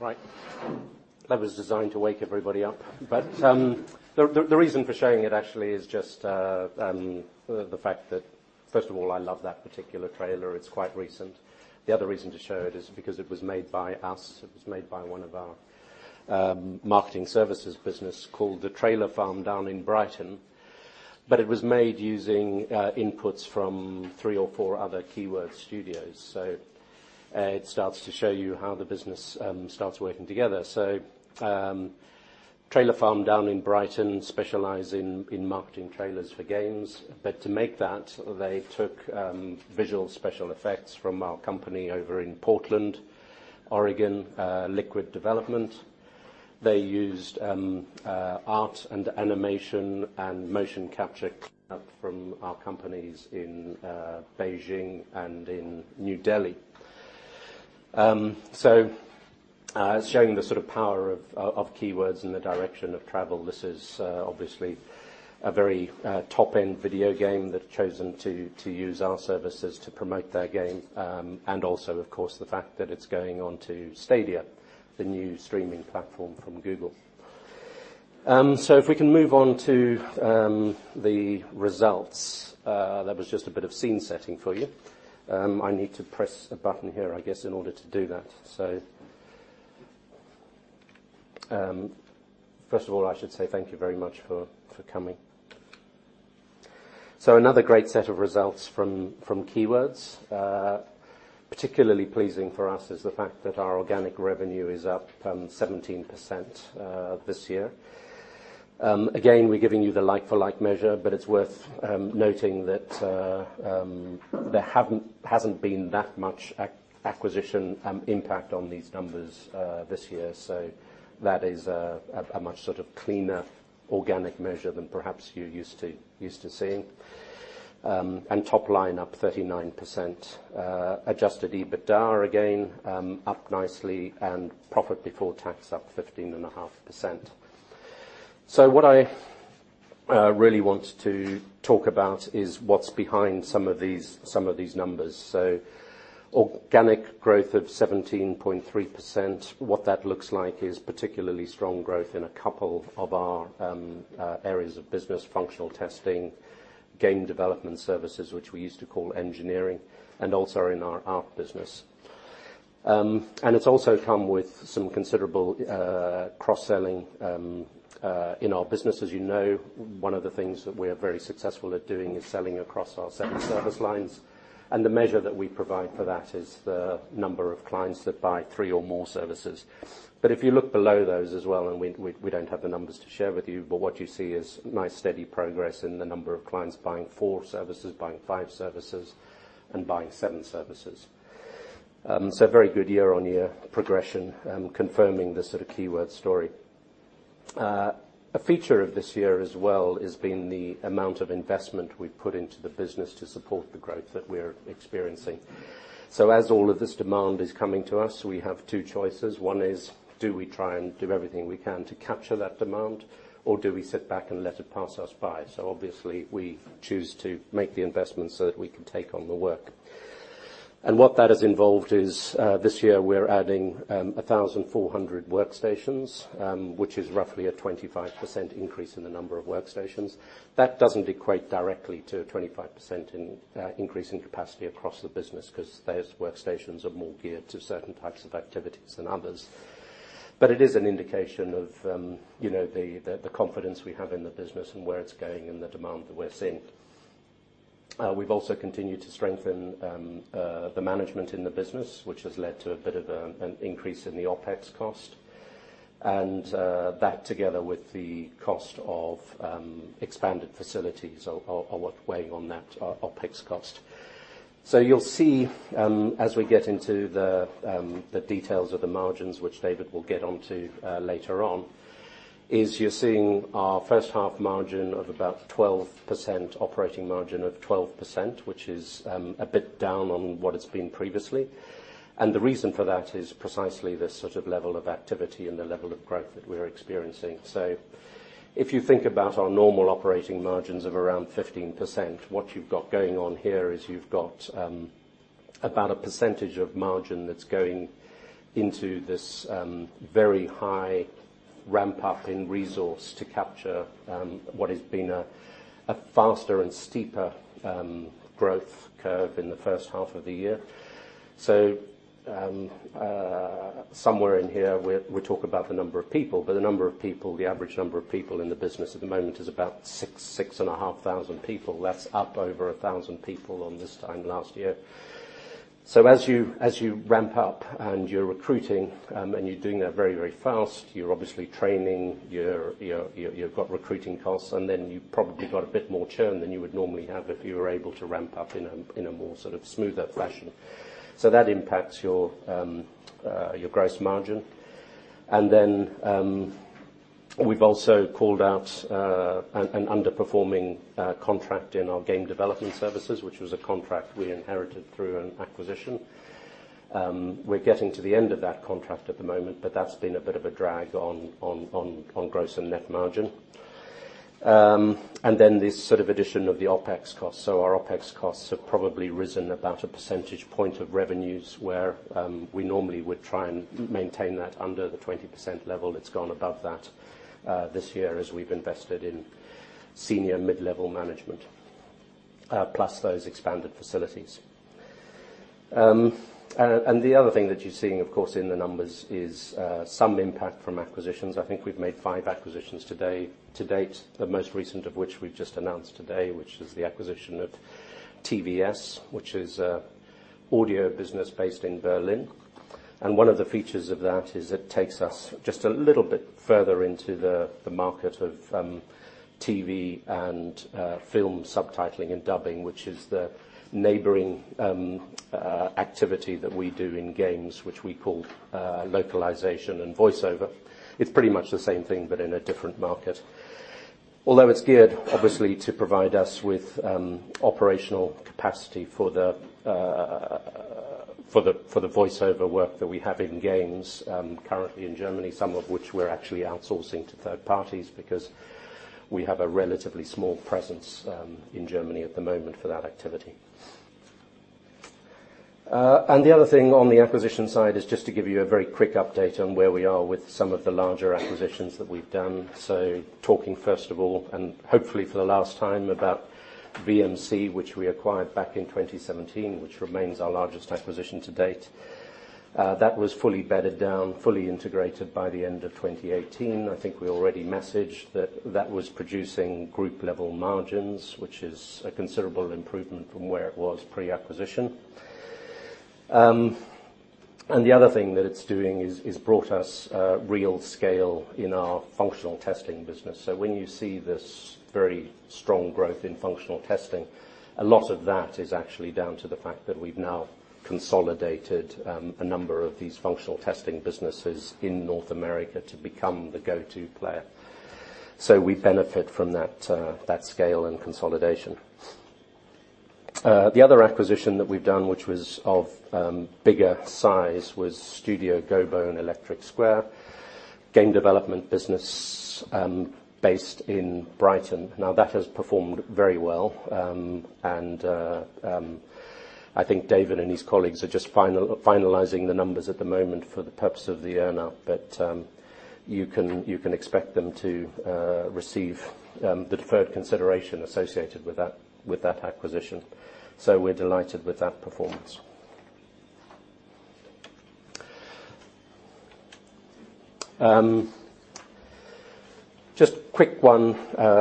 Right. That was designed to wake everybody up. The reason for showing it actually is just the fact that, first of all, I love that particular trailer. It's quite recent. The other reason to show it is because it was made by us. It was made by one of our marketing services business called The Trailer Farm, down in Brighton. It was made using inputs from three or four other Keywords Studios. It starts to show you how the business starts working together. Trailer Farm down in Brighton specialize in marketing trailers for games. To make that, they took visual special effects from our company over in Portland, Oregon, Liquid Development. They used art and animation and motion capture from our companies in Beijing and in New Delhi. It's showing the sort of power of Keywords in the direction of travel. This is obviously a very top-end video game. They've chosen to use our services to promote their game. Also, of course, the fact that it's going onto Stadia, the new streaming platform from Google. If we can move on to the results. That was just a bit of scene-setting for you. I need to press a button here, I guess, in order to do that. First of all, I should say thank you very much for coming. Another great set of results from Keywords. Particularly pleasing for us is the fact that our organic revenue is up 17% this year. Again, we're giving you the like-for-like measure, but it's worth noting that there hasn't been that much acquisition impact on these numbers this year. That is a much sort of cleaner organic measure than perhaps you're used to seeing. Top line up 39%. Adjusted EBITDA, again, up nicely. Profit before tax up 15.5%. What I really want to talk about is what's behind some of these numbers. Organic growth of 17.3%. What that looks like is particularly strong growth in a couple of our areas of business, functional testing, game development services, which we used to call engineering, and also in our art business. It's also come with some considerable cross-selling in our business. As you know, one of the things that we are very successful at doing is selling across our seven service lines. The measure that we provide for that is the number of clients that buy three or more services. If you look below those as well, and we don't have the numbers to share with you, but what you see is nice steady progress in the number of clients buying four services, buying five services, and buying seven services. A very good year-on-year progression confirming the sort of Keywords story. A feature of this year as well has been the amount of investment we've put into the business to support the growth that we're experiencing. As all of this demand is coming to us, we have two choices. One is do we try and do everything we can to capture that demand, or do we sit back and let it pass us by? Obviously, we choose to make the investment so that we can take on the work. What that has involved is this year we're adding 1,400 workstations, which is roughly a 25% increase in the number of workstations. That doesn't equate directly to a 25% increase in capacity across the business because those workstations are more geared to certain types of activities than others. It is an indication of the confidence we have in the business and where it's going and the demand that we're seeing. We've also continued to strengthen the management in the business, which has led to a bit of an increase in the OpEx cost. That together with the cost of expanded facilities are what weigh on that OpEx cost. You'll see as we get into the details of the margins, which David will get onto later on, is you're seeing our first half margin of about 12%, operating margin of 12%, which is a bit down on what it's been previously. The reason for that is precisely the sort of level of activity and the level of growth that we're experiencing. If you think about our normal operating margins of around 15%, what you've got going on here is you've got about a percentage of margin that's going into this very high ramp-up in resource to capture what has been a faster and steeper growth curve in the first half of the year. Somewhere in here, we talk about the number of people, but the average number of people in the business at the moment is about 6,500 people. That's up over 1,000 people on this time last year. As you ramp up and you're recruiting and you're doing that very fast, you're obviously training, you've got recruiting costs, and then you've probably got a bit more churn than you would normally have if you were able to ramp up in a more sort of smoother fashion. That impacts your gross margin. We've also called out an underperforming contract in our game development services, which was a contract we inherited through an acquisition. We're getting to the end of that contract at the moment, but that's been a bit of a drag on gross and net margin. This addition of the OpEx costs. Our OpEx costs have probably risen about a percentage point of revenues where we normally would try and maintain that under the 20% level. It's gone above that this year as we've invested in senior mid-level management, plus those expanded facilities. The other thing that you're seeing, of course, in the numbers is some impact from acquisitions. I think we've made five acquisitions to date, the most recent of which we've just announced today, which is the acquisition of TVS, which is an audio business based in Berlin. One of the features of that is it takes us just a little bit further into the market of TV and film subtitling and dubbing, which is the neighboring activity that we do in games, which we call localization and voiceover. It's pretty much the same thing, but in a different market. Although it's geared obviously to provide us with operational capacity for the voiceover work that we have in games currently in Germany, some of which we're actually outsourcing to third parties because we have a relatively small presence in Germany at the moment for that activity. The other thing on the acquisition side is just to give you a very quick update on where we are with some of the larger acquisitions that we've done. Talking first of all, and hopefully for the last time, about VMC, which we acquired back in 2017, which remains our largest acquisition to date. That was fully bedded down, fully integrated by the end of 2018. I think we already messaged that that was producing group-level margins, which is a considerable improvement from where it was pre-acquisition. The other thing that it's doing is brought us real scale in our functional testing business. When you see this very strong growth in functional testing, a lot of that is actually down to the fact that we've now consolidated a number of these functional testing businesses in North America to become the go-to player. We benefit from that scale and consolidation. The other acquisition that we've done, which was of bigger size, was Studio Gobo and Electric Square, game development business based in Brighton. Now, that has performed very well, and I think David and his colleagues are just finalizing the numbers at the moment for the purpose of the earn out. You can expect them to receive the deferred consideration associated with that acquisition. We're delighted with that performance. Just quick one,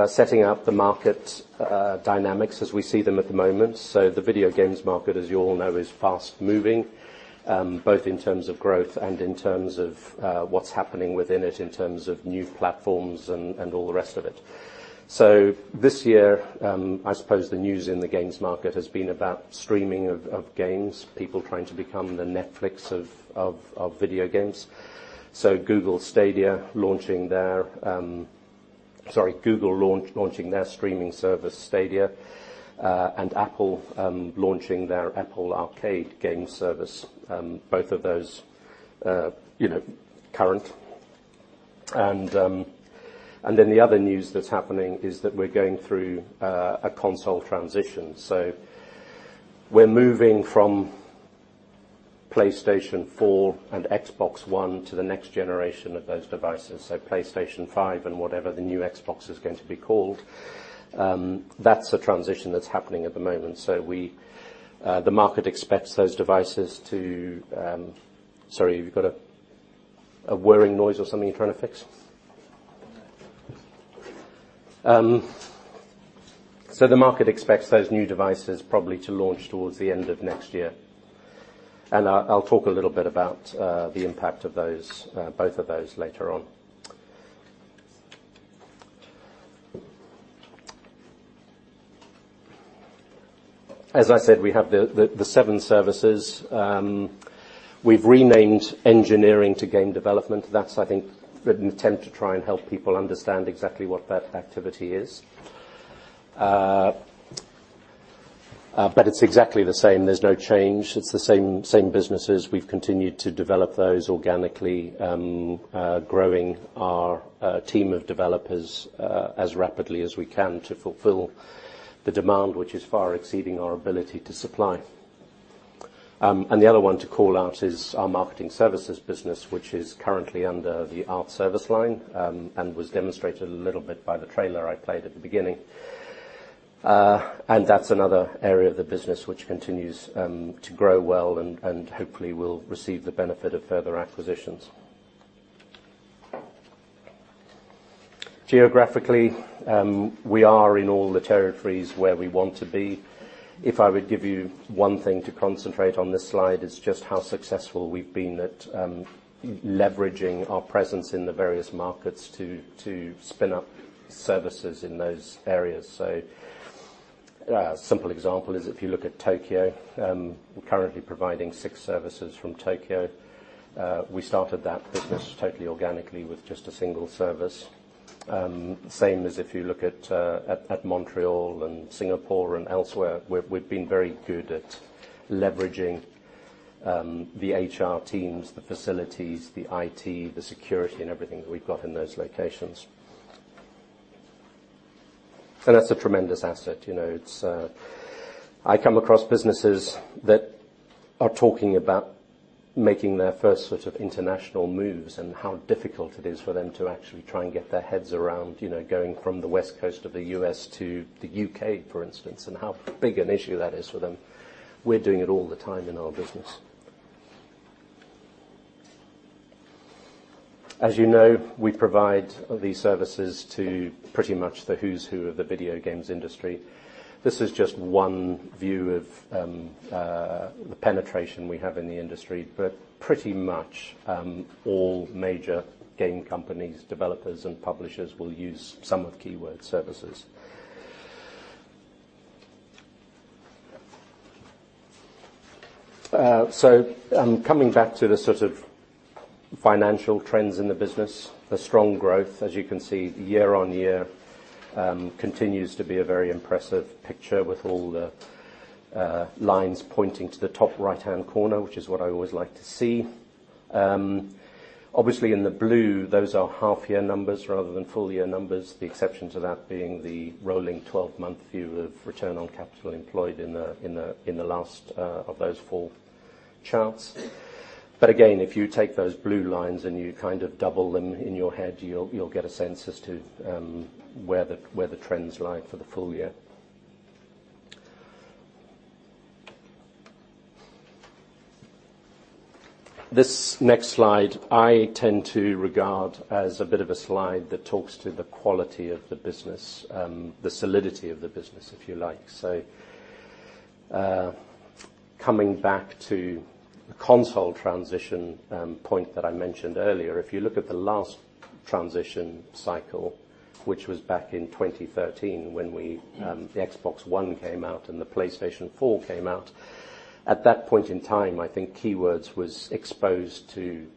setting up the market dynamics as we see them at the moment. The video games market, as you all know, is fast moving, both in terms of growth and in terms of what's happening within it, in terms of new platforms and all the rest of it. This year, I suppose the news in the games market has been about streaming of games, people trying to become the Netflix of video games. Google launching their streaming service, Stadia, and Apple launching their Apple Arcade game service. Both of those current. The other news that's happening is that we're going through a console transition. We're moving from PlayStation 4 and Xbox One to the next generation of those devices. PlayStation 5 and whatever the new Xbox is going to be called. That's a transition that's happening at the moment. The market expects those devices. Sorry, have you got a whirring noise or something you're trying to fix? The market expects those new devices probably to launch towards the end of next year. I'll talk a little bit about the impact of both of those later on. As I said, we have the seven services. We've renamed engineering to game development. That's, I think, an attempt to try and help people understand exactly what that activity is. It's exactly the same. There's no change. It's the same businesses. We've continued to develop those organically, growing our team of developers as rapidly as we can to fulfill the demand, which is far exceeding our ability to supply. The other one to call out is our marketing services business, which is currently under the Art service line, and was demonstrated a little bit by the trailer I played at the beginning. That's another area of the business which continues to grow well and hopefully will receive the benefit of further acquisitions. Geographically, we are in all the territories where we want to be. If I would give you one thing to concentrate on this slide is just how successful we've been at leveraging our presence in the various markets to spin up services in those areas. A simple example is if you look at Tokyo, we're currently providing six services from Tokyo. We started that business totally organically with just a single service. Same as if you look at Montreal and Singapore and elsewhere. We've been very good at leveraging the HR teams, the facilities, the IT, the security, and everything that we've got in those locations. That's a tremendous asset. I come across businesses that are talking about making their first international moves and how difficult it is for them to actually try and get their heads around going from the West Coast of the U.S. to the U.K., for instance, and how big an issue that is for them. We're doing it all the time in our business. As you know, we provide these services to pretty much the who's who of the video games industry. This is just one view of the penetration we have in the industry, but pretty much all major game companies, developers, and publishers will use some of Keywords' services. Coming back to the sort of financial trends in the business, the strong growth, as you can see, year-on-year continues to be a very impressive picture with all the lines pointing to the top right-hand corner, which is what I always like to see. Obviously, in the blue, those are half-year numbers rather than full-year numbers. The exception to that being the rolling 12-month view of return on capital employed in the last of those four charts. Again, if you take those blue lines and you double them in your head, you will get a sense as to where the trends lie for the full year. This next slide I tend to regard as a bit of a slide that talks to the quality of the business, the solidity of the business, if you like. Coming back to the console transition point that I mentioned earlier, if you look at the last transition cycle, which was back in 2013 when the Xbox One came out and the PlayStation 4 came out, at that point in time, I think Keywords was exposed to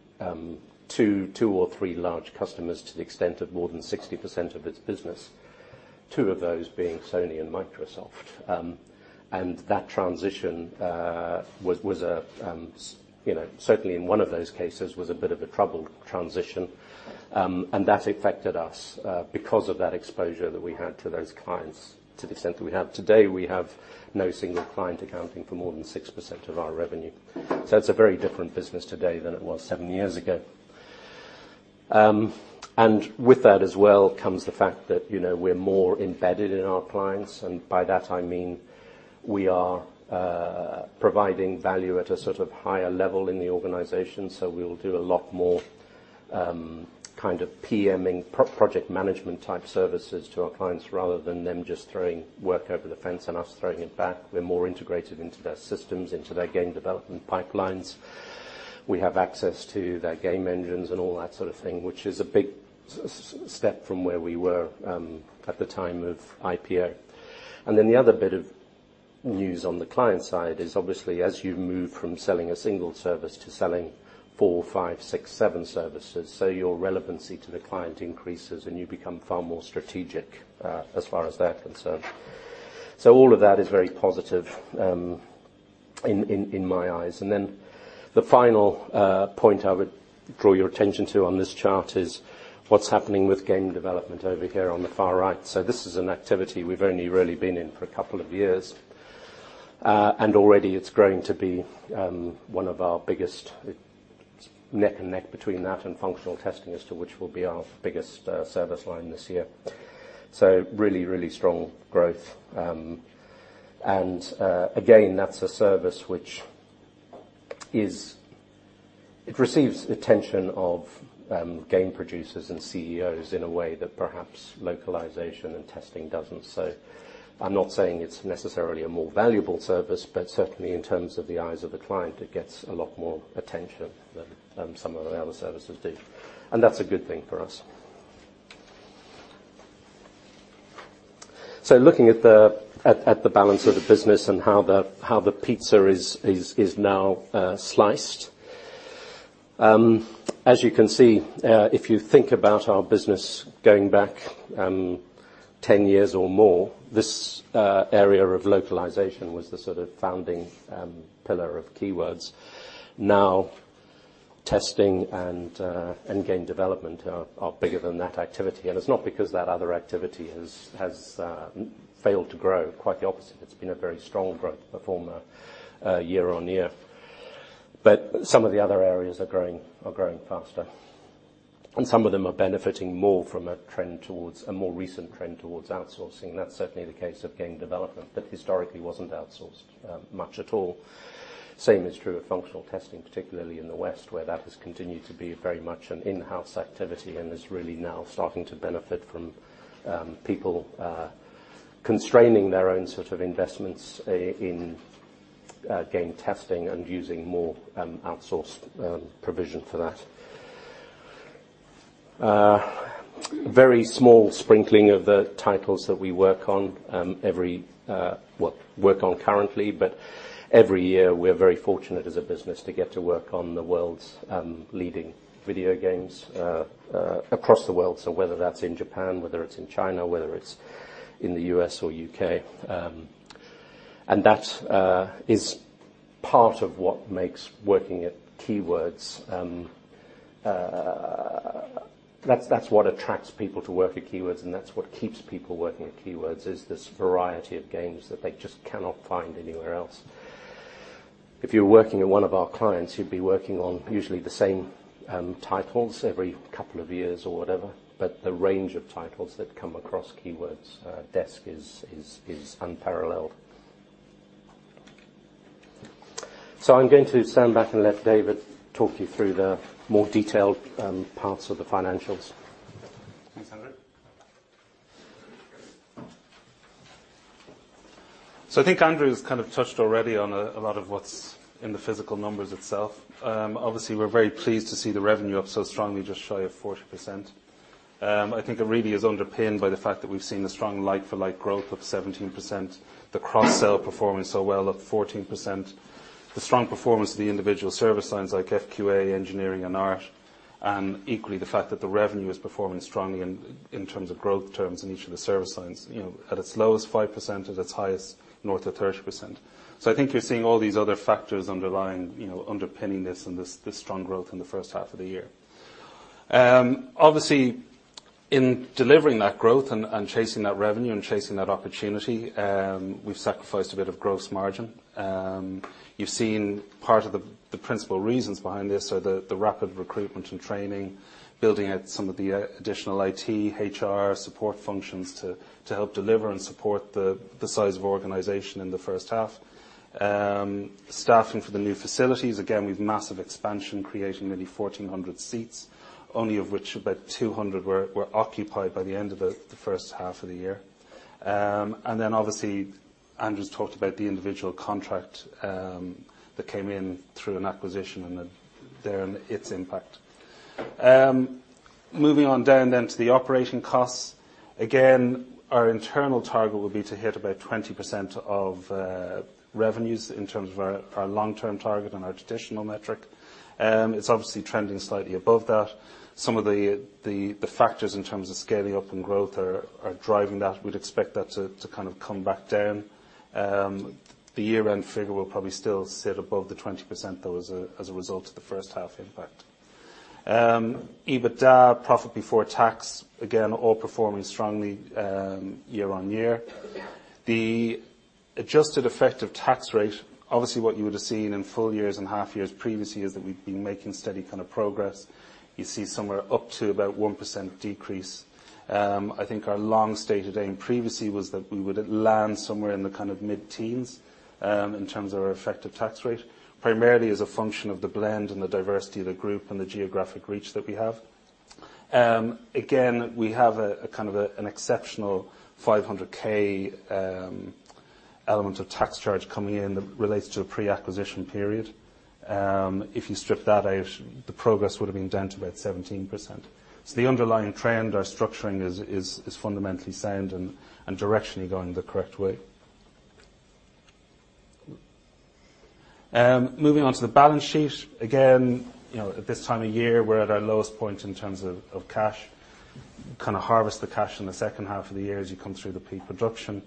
two or three large customers to the extent of more than 60% of its business, two of those being Sony and Microsoft. That transition was certainly in one of those cases, was a bit of a troubled transition, and that affected us because of that exposure that we had to those clients to the extent that we have today, we have no single client accounting for more than 6% of our revenue. It's a very different business today than it was seven years ago. With that as well comes the fact that we're more embedded in our clients, and by that I mean we are providing value at a sort of higher level in the organization. We'll do a lot more kind of PM-ing, project management type services to our clients rather than them just throwing work over the fence and us throwing it back. We're more integrated into their systems, into their game development pipelines. We have access to their game engines and all that sort of thing, which is a big step from where we were at the time of IPO. The other bit of news on the client side is obviously as you move from selling a single service to selling four, five, six, seven services. Your relevancy to the client increases, and you become far more strategic as far as they're concerned. All of that is very positive in my eyes. The final point I would draw your attention to on this chart is what's happening with game development over here on the far right. This is an activity we've only really been in for a couple of years. Already it's grown to be one of our biggest. It's neck and neck between that and functional testing as to which will be our biggest service line this year. Really strong growth. Again, that's a service which receives attention of game producers and CEOs in a way that perhaps localization and testing doesn't. I'm not saying it's necessarily a more valuable service, but certainly in terms of the eyes of the client, it gets a lot more attention than some of our other services do. That's a good thing for us. Looking at the balance of the business and how the pizza is now sliced. As you can see, if you think about our business going back 10 years or more, this area of localization was the sort of founding pillar of Keywords. Now, testing and game development are bigger than that activity. It's not because that other activity has failed to grow. Quite the opposite. It's been a very strong growth performer year-on-year. Some of the other areas are growing faster, and some of them are benefiting more from a more recent trend towards outsourcing. That's certainly the case of game development that historically wasn't outsourced much at all. Same is true of functional testing, particularly in the West, where that has continued to be very much an in-house activity and is really now starting to benefit from people constraining their own sort of investments in game testing and using more outsourced provision for that. A very small sprinkling of the titles that we work on currently, but every year, we're very fortunate as a business to get to work on the world's leading video games across the world. Whether that's in Japan, whether it's in China, whether it's in the U.S. or U.K. That is part of what makes working at Keywords. That's what attracts people to work at Keywords, and that's what keeps people working at Keywords, is this variety of games that they just cannot find anywhere else. If you're working at one of our clients, you'd be working on usually the same titles every couple of years or whatever. The range of titles that come across Keywords' desk is unparalleled. I'm going to stand back and let David talk you through the more detailed parts of the financials. Thanks, Andrew. I think Andrew's kind of touched already on a lot of what's in the physical numbers itself. Obviously, we're very pleased to see the revenue up so strongly, just shy of 40%. I think it really is underpinned by the fact that we've seen a strong like-for-like growth of 17%, the cross-sell performing so well, up 14%, the strong performance of the individual service lines like FQA, engineering, and art, and equally, the fact that the revenue is performing strongly in terms of growth terms in each of the service lines. At its lowest, 5%, at its highest, north of 30%. I think you're seeing all these other factors underlying, underpinning this and this strong growth in the first half of the year. Obviously, in delivering that growth and chasing that revenue and chasing that opportunity, we've sacrificed a bit of gross margin. You've seen part of the principal reasons behind this are the rapid recruitment and training, building out some of the additional IT, HR support functions to help deliver and support the size of organization in the first half. Staffing for the new facilities. We've massive expansion, creating nearly 1,400 seats, only of which about 200 were occupied by the end of the first half of the year. Obviously, Andrew's talked about the individual contract that came in through an acquisition and its impact. Moving on down to the operating costs. Our internal target will be to hit about 20% of revenues in terms of our long-term target and our traditional metric. It's obviously trending slightly above that. Some of the factors in terms of scaling up and growth are driving that. We'd expect that to kind of come back down. The year-end figure will probably still sit above the 20%, though, as a result of the first half impact. EBITDA, profit before tax, again, all performing strongly year on year. The adjusted effective tax rate, obviously, what you would have seen in full years and half years previously is that we've been making steady kind of progress. You see somewhere up to about 1% decrease. I think our long stated aim previously was that we would land somewhere in the kind of mid-teens, in terms of our effective tax rate, primarily as a function of the blend and the diversity of the group and the geographic reach that we have. Again, we have a kind of an exceptional 500 thousand element of tax charge coming in that relates to a pre-acquisition period. If you strip that out, the progress would have been down to about 17%. The underlying trend or structuring is fundamentally sound and directionally going the correct way. Moving on to the balance sheet. Again, at this time of year, we are at our lowest point in terms of cash. Kind of harvest the cash in the second half of the year as you come through the peak production.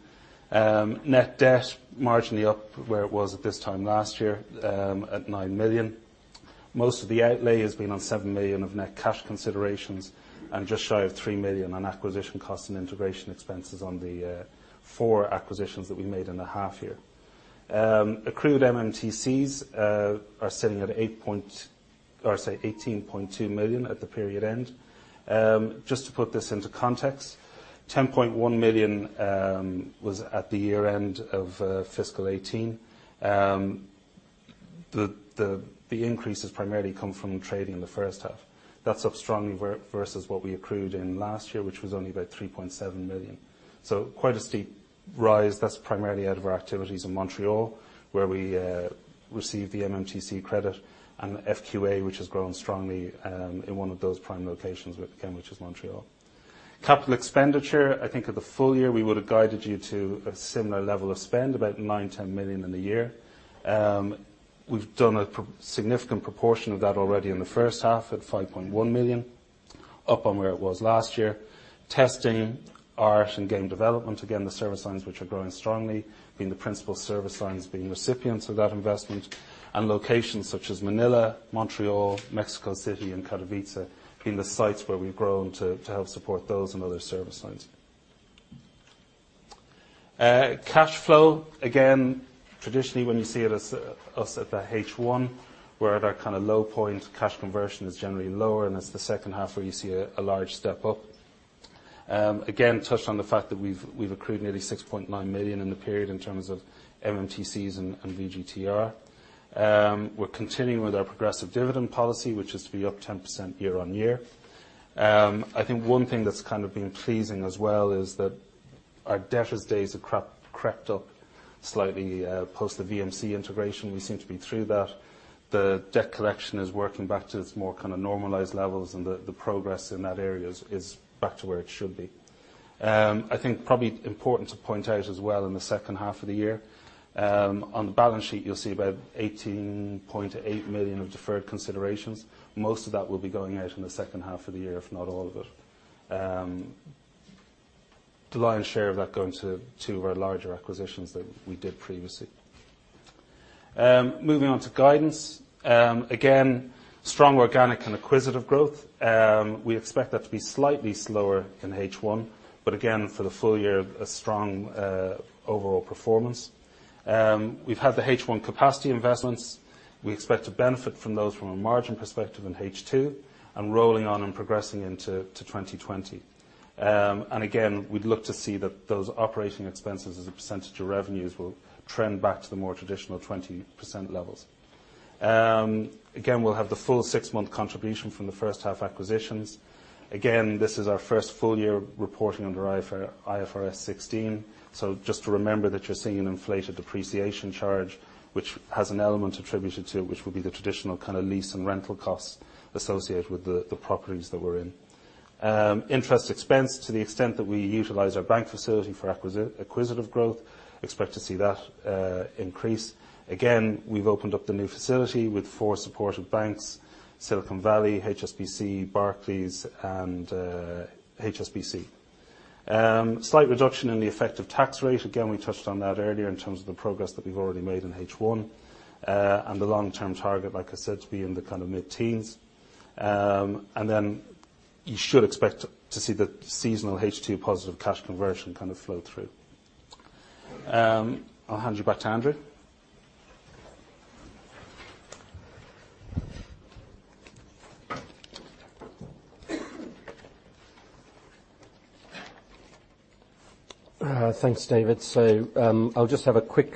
Net debt, marginally up where it was at this time last year, at 9 million. Most of the outlay has been on 7 million of net cash considerations and just shy of 3 million on acquisition costs and integration expenses on the four acquisitions that we made in the half year. Accrued MMTCs are sitting at 18.2 million at the period end. Just to put this into context, 10.1 million was at the year end of fiscal 2018. The increases primarily come from trading in the first half. That's up strongly versus what we accrued in last year, which was only about 3.7 million. Quite a steep rise. That's primarily out of our activities in Montreal, where we received the MMTC credit and FQA, which has grown strongly in one of those prime locations, again, which is Montreal. Capital expenditure, I think at the full year, we would have guided you to a similar level of spend, about 9 million-10 million in the year. We've done a significant proportion of that already in the first half at 5.1 million, up on where it was last year. Testing, art, and game development, again, the service lines which are growing strongly, being the principal service lines, being recipients of that investment. Locations such as Manila, Montreal, Mexico City, and Katowice being the sites where we've grown to help support those and other service lines. Cash flow. Traditionally, when you see us at the H1, we're at our kind of low point. Cash conversion is generally lower, and it's the second half where you see a large step up. Touched on the fact that we've accrued nearly 6.9 million in the period in terms of MMTCs and VGTR. We're continuing with our progressive dividend policy, which is to be up 10% year-on-year. I think one thing that's kind of been pleasing as well is that our debtors days have crept up slightly post the VMC integration. We seem to be through that. The debt collection is working back to its more kind of normalized levels, and the progress in that area is back to where it should be. I think probably important to point out as well in the second half of the year, on the balance sheet, you'll see about 18.8 million of deferred considerations. Most of that will be going out in the second half of the year, if not all of it. The lion's share of that going to our larger acquisitions that we did previously. Moving on to guidance. Strong organic and acquisitive growth. We expect that to be slightly slower in H1, for the full year, a strong overall performance. We've had the H1 capacity investments. We expect to benefit from those from a margin perspective in H2, rolling on and progressing into 2020. We'd look to see that those operating expenses as a percentage of revenues will trend back to the more traditional 20% levels. We'll have the full six-month contribution from the first half acquisitions. This is our first full year of reporting under IFRS 16. Just to remember that you're seeing an inflated depreciation charge, which has an element attributed to it, which will be the traditional kind of lease and rental costs associated with the properties that we're in. Interest expense to the extent that we utilize our bank facility for acquisitive growth, expect to see that increase. We've opened up the new facility with four supportive banks, Silicon Valley, HSBC, Barclays, and HSBC. Slight reduction in the effective tax rate. We touched on that earlier in terms of the progress that we've already made in H1. The long-term target, like I said, to be in the kind of mid-teens. You should expect to see the seasonal H2 positive cash conversion kind of flow through. I'll hand you back to Andrew. Thanks, David. I'll just have a quick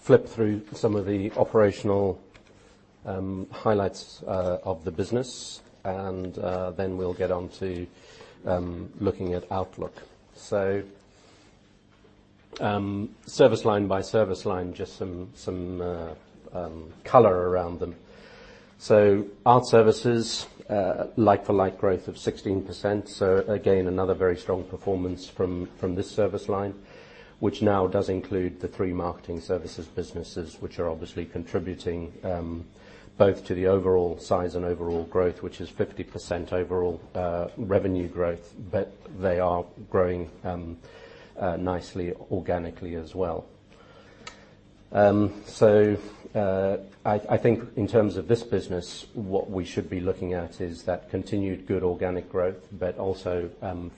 flip through some of the operational highlights of the business, and then we'll get onto looking at outlook. Service line by service line, just some color around them. Art Services, like-for-like growth of 16%. Again, another very strong performance from this service line, which now does include the three marketing services businesses, which are obviously contributing both to the overall size and overall growth, which is 50% overall revenue growth. They are growing nicely organically as well. I think in terms of this business, what we should be looking at is that continued good organic growth, but also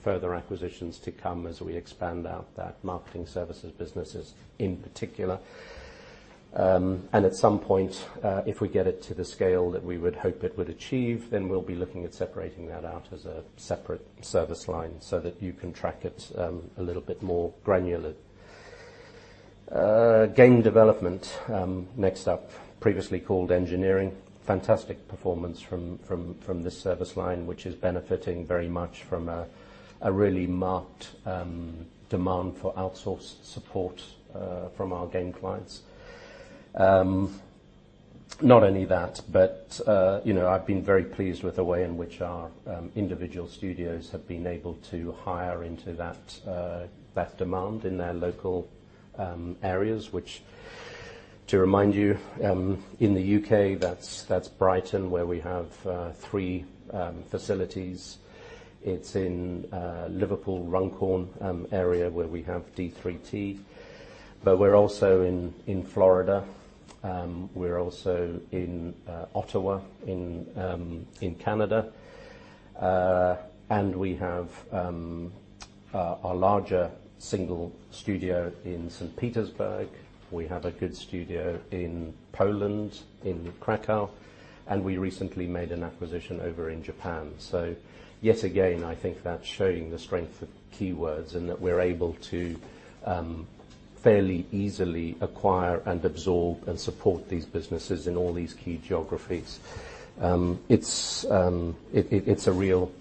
further acquisitions to come as we expand out that marketing services businesses in particular. At some point, if we get it to the scale that we would hope it would achieve, then we'll be looking at separating that out as a separate service line so that you can track it a little bit more granular. Game development next up, previously called engineering. Fantastic performance from this service line, which is benefiting very much from a really marked demand for outsourced support from our game clients. I've been very pleased with the way in which our individual studios have been able to hire into that demand in their local areas. Which, to remind you, in the U.K., that's Brighton, where we have three facilities. It's in Liverpool, Runcorn area where we have d3t. We're also in Florida. We're also in Ottawa, in Canada. We have our larger single studio in St. Petersburg. We have a good studio in Poland, in Kraków. We recently made an acquisition over in Japan. Yet again, I think that's showing the strength of Keywords and that we're able to fairly easily acquire and absorb and support these businesses in all these key geographies. It's a real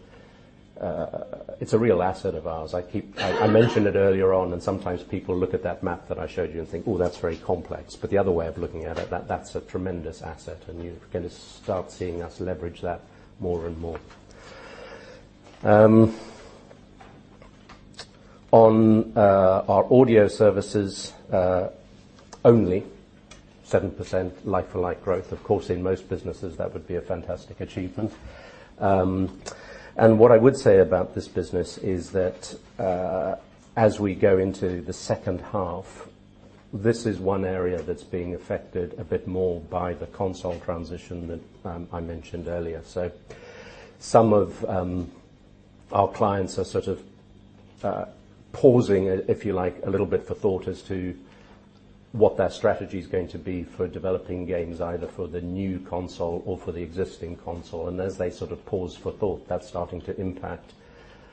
asset of ours. I mentioned it earlier on, and sometimes people look at that map that I showed you and think, "Ooh, that's very complex." The other way of looking at it, that's a tremendous asset, and you're going to start seeing us leverage that more and more. On our audio services, only 7% like-for-like growth. Of course, in most businesses, that would be a fantastic achievement. What I would say about this business is that as we go into the second half, this is one area that's being affected a bit more by the console transition that I mentioned earlier. Some of our clients are sort of pausing, if you like, a little bit for thought as to what their strategy's going to be for developing games, either for the new console or for the existing console. As they sort of pause for thought, that's starting to impact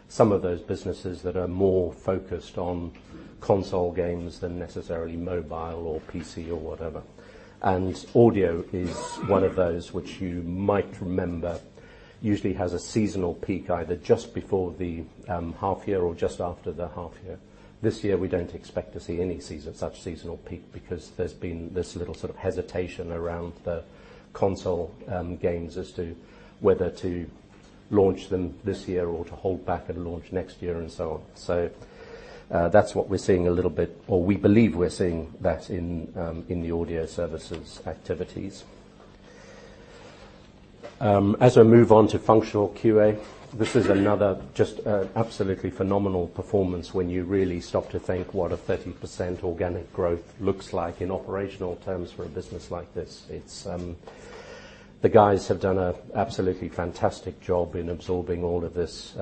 some of those businesses that are more focused on console games than necessarily mobile or PC or whatever. Audio is one of those which you might remember usually has a seasonal peak either just before the half year or just after the half year. This year, we don't expect to see any such seasonal peak because there's been this little sort of hesitation around the console games as to whether to launch them this year or to hold back and launch next year and so on. That's what we're seeing a little bit, or we believe we're seeing that in the audio services activities. As I move on to functional QA, this is another just absolutely phenomenal performance when you really stop to think what a 30% organic growth looks like in operational terms for a business like this. The guys have done a absolutely fantastic job in absorbing all of this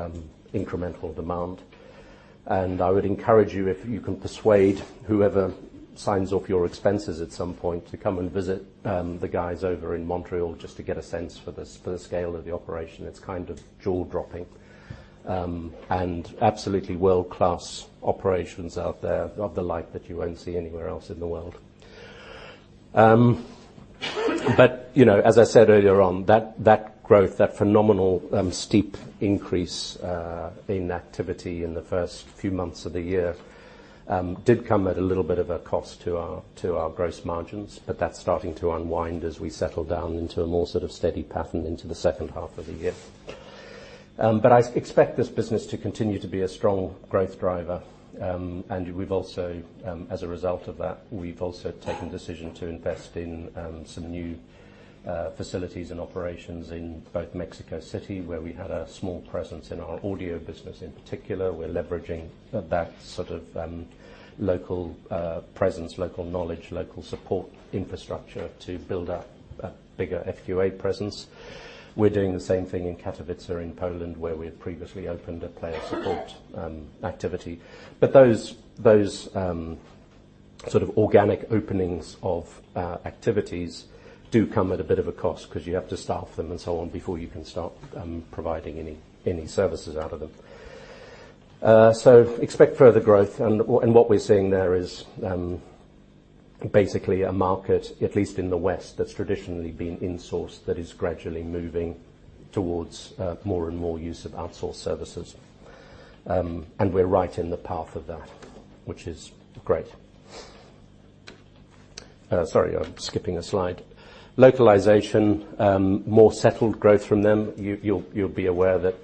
incremental demand. I would encourage you, if you can persuade whoever signs off your expenses at some point to come and visit the guys over in Montreal, just to get a sense for the scale of the operation. It's kind of jaw-dropping. Absolutely world-class operations out there of the like that you won't see anywhere else in the world. As I said earlier on, that growth, that phenomenal steep increase in activity in the first few months of the year, did come at a little bit of a cost to our gross margins. That's starting to unwind as we settle down into a more sort of steady pattern into the second half of the year. I expect this business to continue to be a strong growth driver. As a result of that, we've also taken the decision to invest in some new facilities and operations in both Mexico City, where we had a small presence in our audio business. In particular, we're leveraging that sort of local presence, local knowledge, local support infrastructure to build up a bigger FQA presence. We're doing the same thing in Katowice in Poland, where we had previously opened a player support activity. Those sort of organic openings of activities do come at a bit of a cost because you have to staff them and so on before you can start providing any services out of them. Expect further growth. What we're seeing there is basically a market, at least in the West, that's traditionally been insourced that is gradually moving towards more and more use of outsourced services. We're right in the path of that, which is great. Sorry, I'm skipping a slide. Localization, more settled growth from them. You'll be aware that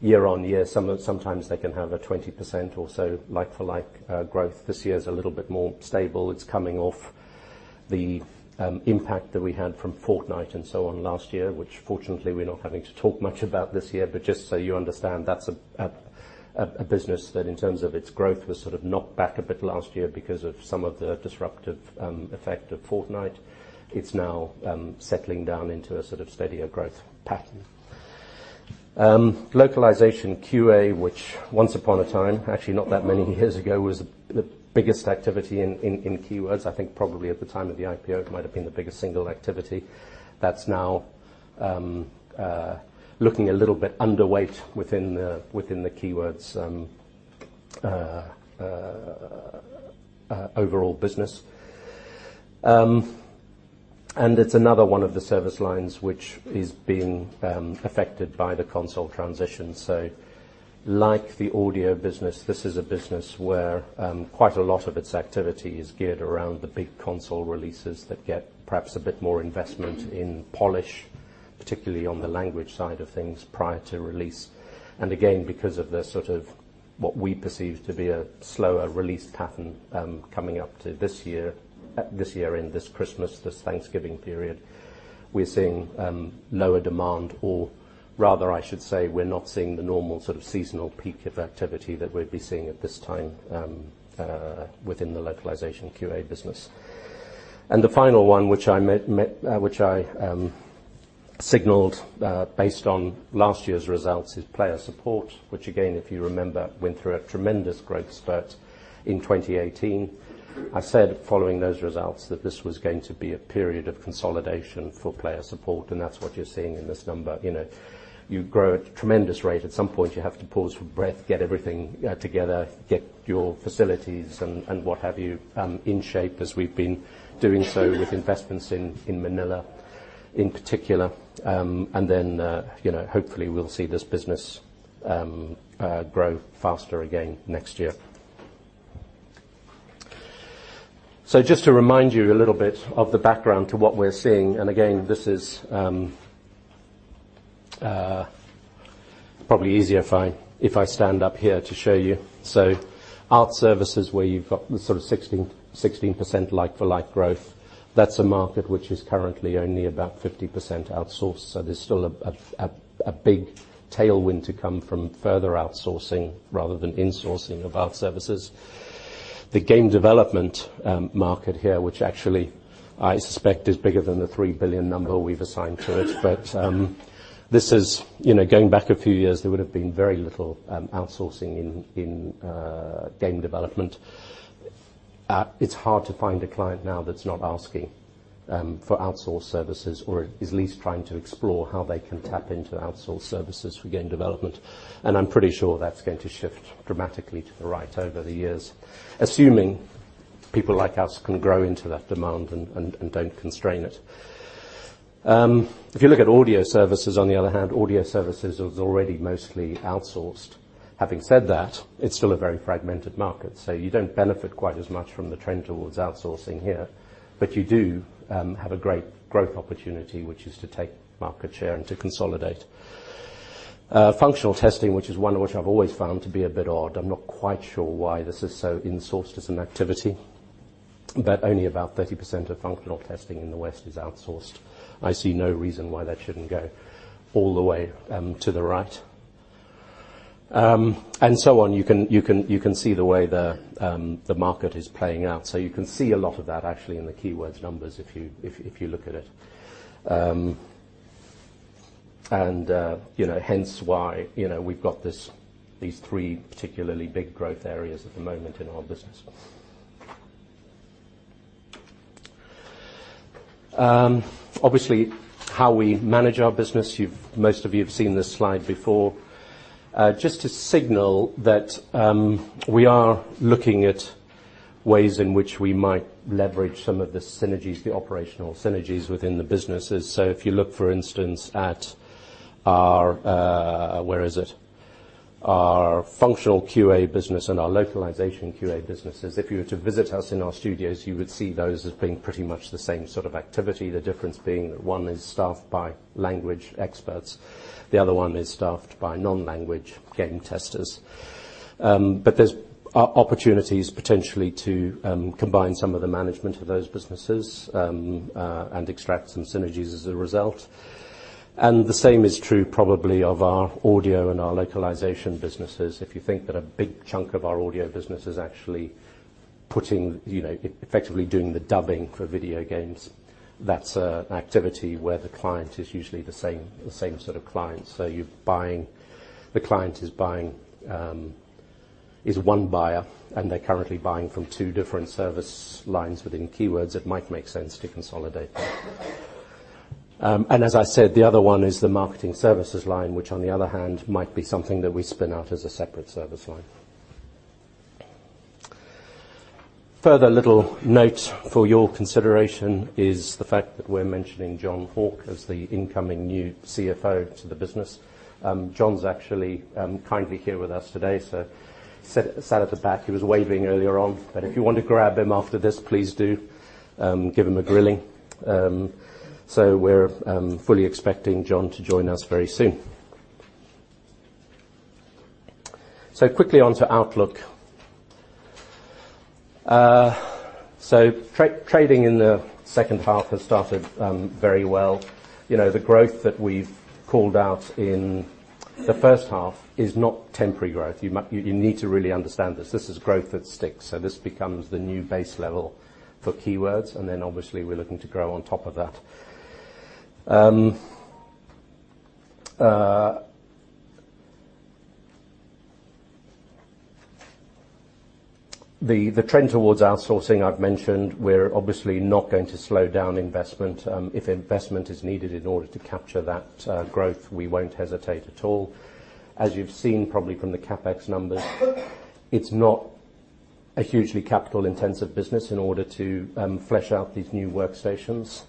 year-on-year, sometimes they can have a 20% or so like-for-like growth. This year is a little bit more stable. It's coming off the impact that we had from Fortnite and so on last year, which fortunately we're not having to talk much about this year. Just so you understand, that's a business that in terms of its growth was sort of knocked back a bit last year because of some of the disruptive effect of Fortnite. It's now settling down into a sort of steadier growth pattern. Localization QA which once upon a time, actually not that many years ago, was the biggest activity in Keywords. I think probably at the time of the IPO, it might have been the biggest single activity. That's now looking a little bit underweight within the Keywords overall business. It's another one of the service lines which is being affected by the console transition. Like the audio business, this is a business where quite a lot of its activity is geared around the big console releases that get perhaps a bit more investment in polish, particularly on the language side of things prior to release. Again, because of the sort of what we perceive to be a slower release pattern coming up to this year in this Christmas, this Thanksgiving period, we're seeing lower demand, or rather I should say, we're not seeing the normal sort of seasonal peak of activity that we'd be seeing at this time within the localization QA business. The final one, which I signaled based on last year's results, is player support, which again, if you remember, went through a tremendous growth spurt in 2018. I said following those results that this was going to be a period of consolidation for Player Support, and that's what you're seeing in this number. You grow at a tremendous rate. At some point, you have to pause for breath, get everything together, get your facilities and what have you in shape as we've been doing so with investments in Manila in particular. Then hopefully we'll see this business grow faster again next year. Just to remind you a little bit of the background to what we're seeing, and again, this is probably easier if I stand up here to show you. Art services where you've got the sort of 16% like-for-like growth, that's a market which is currently only about 50% outsourced. There's still a big tailwind to come from further outsourcing rather than insourcing of art services. The game development market here, which actually I suspect is bigger than the 3 billion we've assigned to it. This is going back a few years, there would have been very little outsourcing in game development. It's hard to find a client now that's not asking for outsourced services or is at least trying to explore how they can tap into outsourced services for game development. I'm pretty sure that's going to shift dramatically to the right over the years, assuming people like us can grow into that demand and don't constrain it. If you look at audio services, on the other hand, audio services was already mostly outsourced. Having said that, it's still a very fragmented market, so you don't benefit quite as much from the trend towards outsourcing here. You do have a great growth opportunity, which is to take market share and to consolidate. Functional testing, which is one which I've always found to be a bit odd. I'm not quite sure why this is so insourced as an activity. Only about 30% of functional testing in the West is outsourced. I see no reason why that shouldn't go all the way to the right. So on. You can see the way the market is playing out. You can see a lot of that actually in the Keywords numbers if you look at it. Hence why we've got these three particularly big growth areas at the moment in our business. Obviously, how we manage our business, most of you have seen this slide before. Just to signal that we are looking at ways in which we might leverage some of the synergies, the operational synergies within the businesses. If you look, for instance, at our, where is it? Our functional QA business and our localization QA businesses. If you were to visit us in our studios, you would see those as being pretty much the same sort of activity, the difference being that one is staffed by language experts, the other one is staffed by non-language game testers. There's opportunities potentially to combine some of the management of those businesses, and extract some synergies as a result. The same is true probably of our audio and our localization businesses. If you think that a big chunk of our audio business is actually effectively doing the dubbing for video games, that's an activity where the client is usually the same sort of client. The client is one buyer, and they're currently buying from two different service lines within Keywords. It might make sense to consolidate that. As I said, the other one is the marketing services line, which on the other hand, might be something that we spin out as a separate service line. Further little note for your consideration is the fact that we're mentioning Jon Hauck as the incoming new CFO to the business. Jon's actually kindly here with us today, sat at the back. He was waving earlier on. If you want to grab him after this, please do. Give him a grilling. We're fully expecting Jon to join us very soon. Quickly on to outlook. Trading in the second half has started very well. The growth that we've called out in the first half is not temporary growth. You need to really understand this. This is growth that sticks. This becomes the new base level for Keywords, and then obviously we're looking to grow on top of that. The trend towards outsourcing, I've mentioned. We're obviously not going to slow down investment. If investment is needed in order to capture that growth, we won't hesitate at all. As you've seen probably from the CapEx numbers, it's not a hugely capital-intensive business in order to flesh out these new workstations.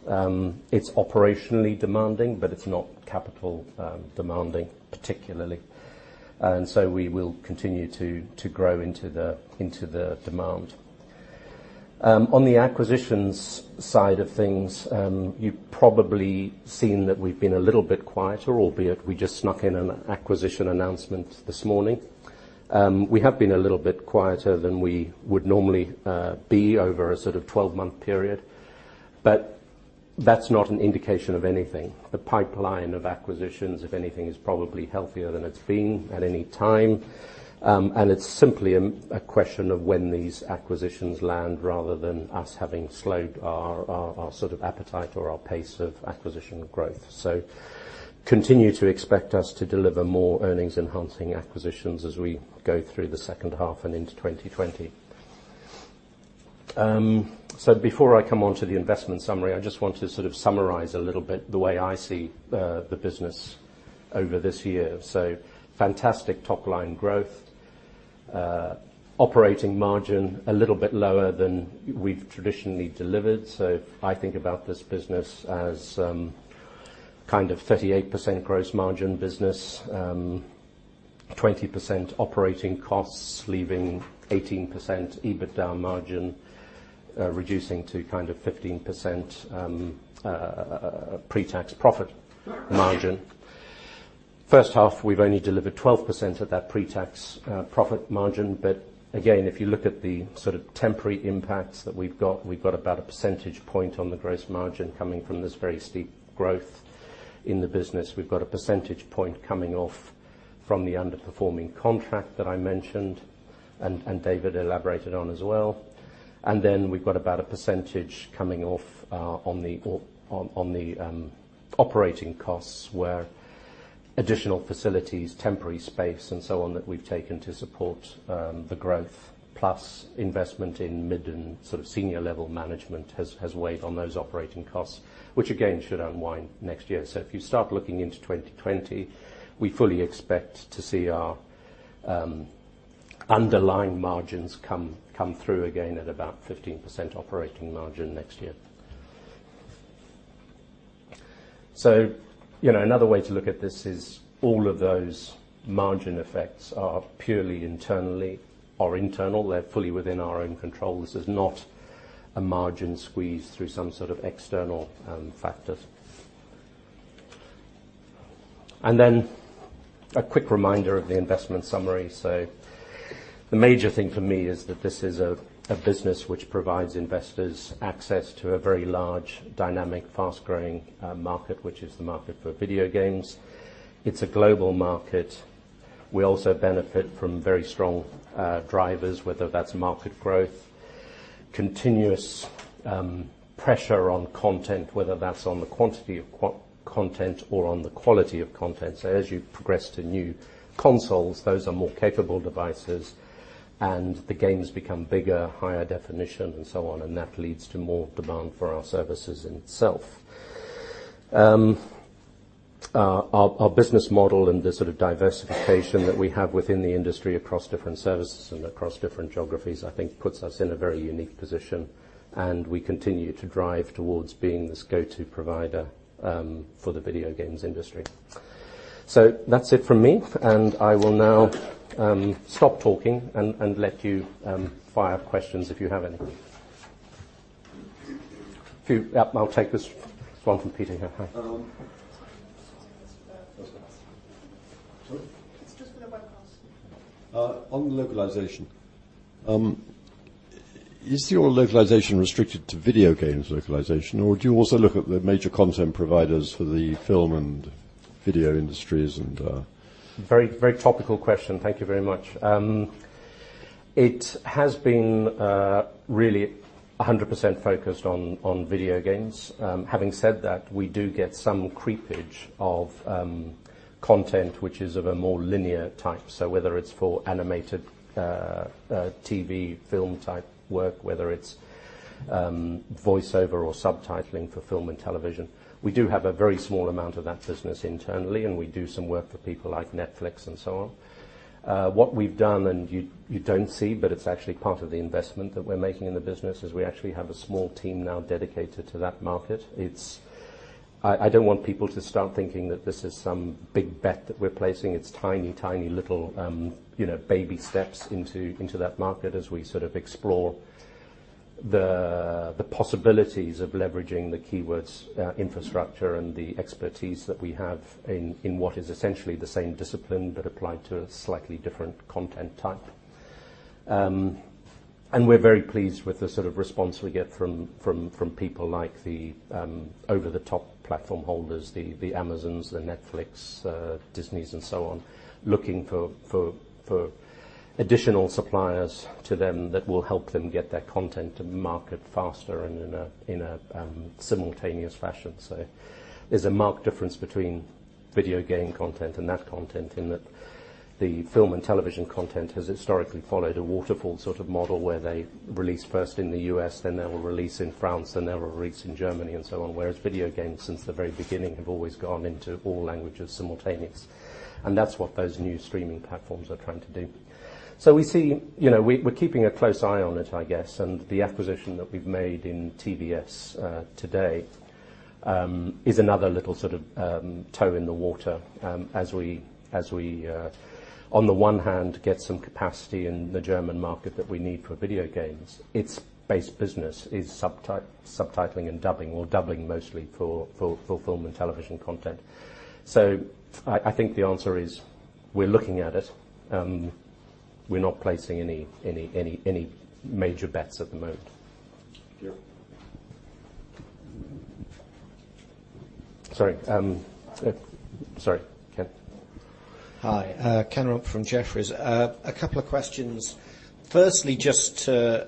It's operationally demanding, but it's not capital demanding particularly. We will continue to grow into the demand. On the acquisitions side of things, you've probably seen that we've been a little bit quieter, albeit we just snuck in an acquisition announcement this morning. We have been a little bit quieter than we would normally be over a sort of 12-month period. That's not an indication of anything. The pipeline of acquisitions, if anything, is probably healthier than it's been at any time. It's simply a question of when these acquisitions land rather than us having slowed our sort of appetite or our pace of acquisition growth. Continue to expect us to deliver more earnings-enhancing acquisitions as we go through the second half and into 2020. Before I come onto the investment summary, I just want to sort of summarize a little bit the way I see the business over this year. Fantastic top-line growth. Operating margin, a little bit lower than we've traditionally delivered. I think about this business as kind of 38% gross margin business, 20% operating costs, leaving 18% EBITDA margin, reducing to kind of 15% pre-tax profit margin. First half, we've only delivered 12% of that pre-tax profit margin. Again, if you look at the sort of temporary impacts that we've got, we've got about a percentage point on the gross margin coming from this very steep growth in the business. We've got a percentage point coming off from the underperforming contract that I mentioned, and David elaborated on as well. Then we've got about a percentage coming off on the operating costs where additional facilities, temporary space, and so on that we've taken to support the growth plus investment in mid- and senior-level management has weighed on those operating costs, which again should unwind next year. If you start looking into 2020, we fully expect to see our underlying margins come through again at about 15% operating margin next year. Another way to look at this is all of those margin effects are purely internally or internal. They're fully within our own control. This is not a margin squeeze through some sort of external factors. Then a quick reminder of the investment summary. The major thing for me is that this is a business which provides investors access to a very large, dynamic, fast-growing market, which is the market for video games. It's a global market. We also benefit from very strong drivers, whether that's market growth, continuous pressure on content, whether that's on the quantity of content or on the quality of content. As you progress to new consoles, those are more capable devices and the games become bigger, higher definition and so on, and that leads to more demand for our services in itself. Our business model and the sort of diversification that we have within the industry, across different services and across different geographies, I think puts us in a very unique position, and we continue to drive towards being this go-to provider for the video games industry. That's it from me, and I will now stop talking and let you fire questions if you have any. I'll take this one from Peter. Hi. Sorry. It's just with the webcast. On localization. Is your localization restricted to video games localization, or do you also look at the major content providers for the film and video industries and-? Very topical question. Thank you very much. It has been really 100% focused on video games. Having said that, we do get some creepage of content which is of a more linear type. Whether it's for animated TV film type work, whether it's voiceover or subtitling for film and television. We do have a very small amount of that business internally, and we do some work for people like Netflix and so on. What we've done, and you don't see, but it's actually part of the investment that we're making in the business, is we actually have a small team now dedicated to that market. I don't want people to start thinking that this is some big bet that we're placing. It's tiny little baby steps into that market as we sort of explore the possibilities of leveraging the Keywords infrastructure and the expertise that we have in what is essentially the same discipline but applied to a slightly different content type. We're very pleased with the sort of response we get from people like the over-the-top platform holders, the Amazons, the Netflix, Disneys and so on, looking for additional suppliers to them that will help them get their content to market faster and in a simultaneous fashion. There's a marked difference between video game content and that content, in that the film and television content has historically followed a waterfall sort of model, where they release first in the U.S., then they will release in France, then they will release in Germany and so on. Video games, since the very beginning, have always gone into all languages simultaneous, that's what those new streaming platforms are trying to do. We're keeping a close eye on it, I guess, the acquisition that we've made in TVS today is another little sort of toe in the water as we, on the one hand, get some capacity in the German market that we need for video games. Its base business is subtitling and dubbing, or dubbing mostly for film and television content. I think the answer is we're looking at it. We're not placing any major bets at the moment. Thank you. Sorry. Ken. Hi. Ken Rumph from Jefferies. A couple of questions. Firstly, just to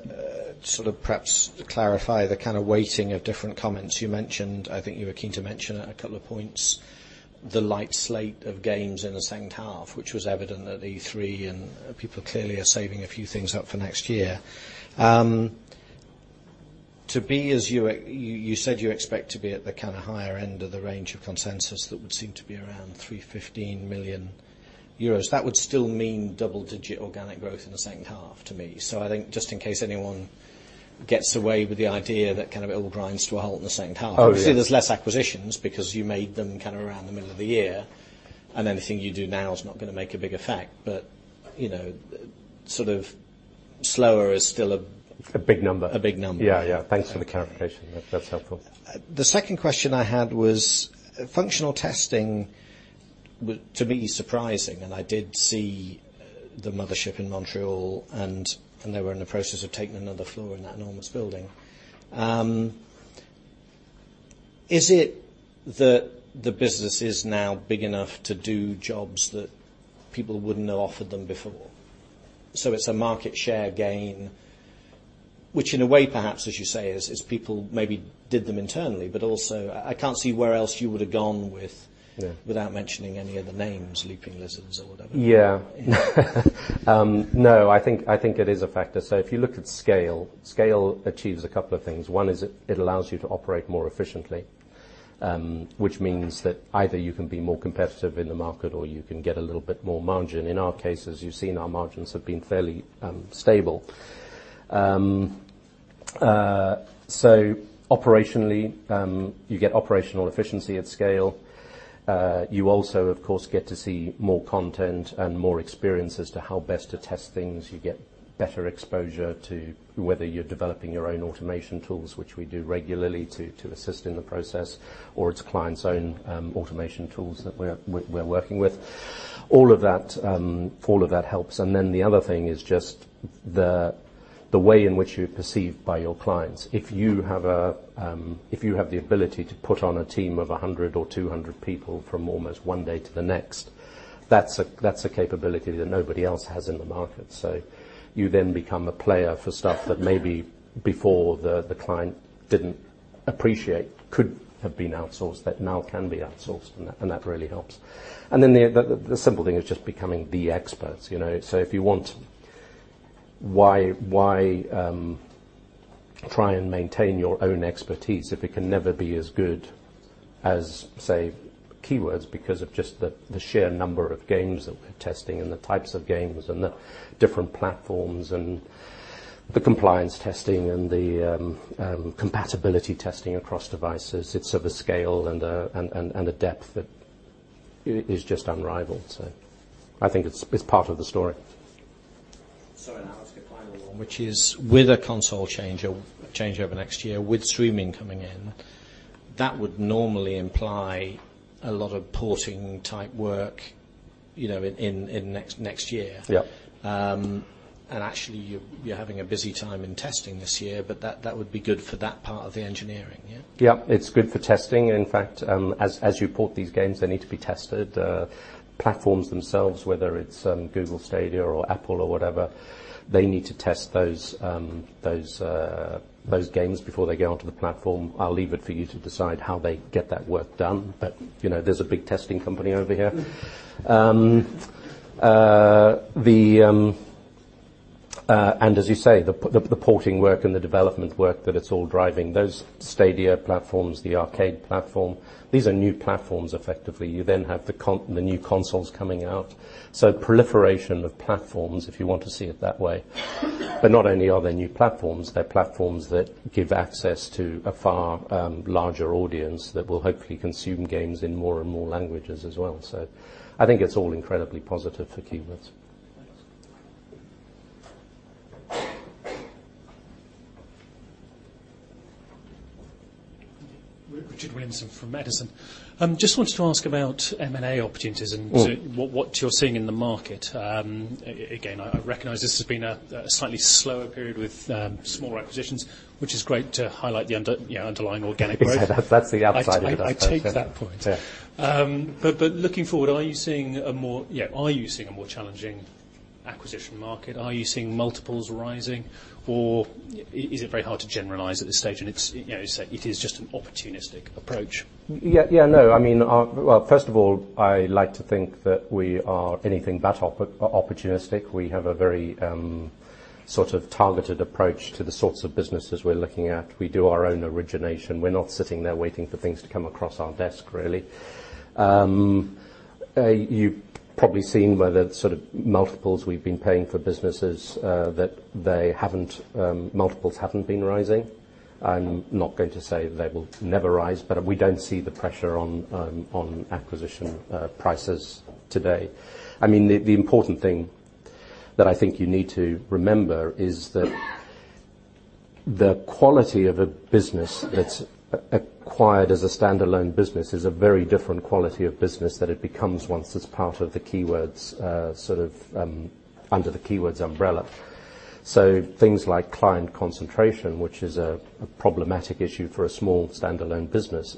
sort of perhaps clarify the kind of weighting of different comments you mentioned. I think you were keen to mention a couple of points. The light slate of games in the second half, which was evident at E3, and people clearly are saving a few things up for next year. You said you expect to be at the kind of higher end of the range of consensus. That would seem to be around 315 million euros. That would still mean double-digit organic growth in the second half to me. I think just in case anyone gets away with the idea that kind of it all grinds to a halt in the second half- Oh, yeah. obviously there's less acquisitions because you made them kind of around the middle of the year, and anything you do now is not going to make a big effect. Sort of slower is still a. A big number. A big number. Yeah. Thanks for the clarification. That's helpful. The second question I had was functional testing, to me, is surprising, and I did see the mothership in Montreal, and they were in the process of taking another floor in that enormous building. Is it that the business is now big enough to do jobs that people wouldn't have offered them before? It's a market share gain, which in a way perhaps, as you say, is people maybe did them internally, but also I can't see where else you would have gone without mentioning any of the names, Leaping Lizards or whatever. No, I think it is a factor. If you look at scale achieves a couple of things. One is it allows you to operate more efficiently, which means that either you can be more competitive in the market or you can get a little bit more margin. In our case, as you've seen, our margins have been fairly stable. Operationally, you get operational efficiency at scale. You also, of course, get to see more content and more experience as to how best to test things. You get better exposure to whether you're developing your own automation tools, which we do regularly to assist in the process, or it's clients' own automation tools that we're working with. All of that helps. The other thing is just the way in which you're perceived by your clients. If you have the ability to put on a team of 100 or 200 people from almost one day to the next, that's a capability that nobody else has in the market. You then become a player for stuff that maybe before the client didn't appreciate could have been outsourced, that now can be outsourced, and that really helps. Then the simple thing is just becoming the experts. If you want, why try and maintain your own expertise if it can never be as good as, say, Keywords because of just the sheer number of games that we're testing and the types of games and the different platforms and the compliance testing and the compatibility testing across devices. It's of a scale and a depth that is just unrivaled, so I think it's part of the story. Sorry, I'll ask a final one, which is with a console change over next year with streaming coming in, that would normally imply a lot of porting type work in next year. Yep. Actually you're having a busy time in testing this year, but that would be good for that part of the engineering, yeah? Yep. It's good for testing. In fact, as you port these games, they need to be tested. Platforms themselves, whether it's Google Stadia or Apple or whatever, they need to test those games before they go onto the platform. I'll leave it for you to decide how they get that work done. There's a big testing company over here. As you say, the porting work and the development work that it's all driving, those Stadia platforms, the Arcade platform, these are new platforms, effectively. You have the new consoles coming out. Proliferation of platforms, if you want to see it that way. Not only are they new platforms, they're platforms that give access to a far larger audience that will hopefully consume games in more and more languages as well. I think it's all incredibly positive for Keywords. Thanks. Richard Williamson from Edison. Just wanted to ask about M&A opportunities. What you're seeing in the market. Again, I recognize this has been a slightly slower period with smaller acquisitions, which is great to highlight the underlying organic growth. Exactly. That's the upside of it, I suppose. Yeah. I take that point. Looking forward, are you seeing a more challenging acquisition market? Are you seeing multiples rising? Or is it very hard to generalize at this stage, and it is just an opportunistic approach? Yeah. First of all, I like to think that we are anything but opportunistic. We have a very targeted approach to the sorts of businesses we're looking at. We do our own origination. We're not sitting there waiting for things to come across our desk, really. You've probably seen by the sort of multiples we've been paying for businesses that multiples haven't been rising. I'm not going to say they will never rise, we don't see the pressure on acquisition prices today. The important thing that I think you need to remember is that the quality of a business that's acquired as a standalone business is a very different quality of business that it becomes once it's part of the Keywords, sort of under the Keywords umbrella. Things like client concentration, which is a problematic issue for a small standalone business,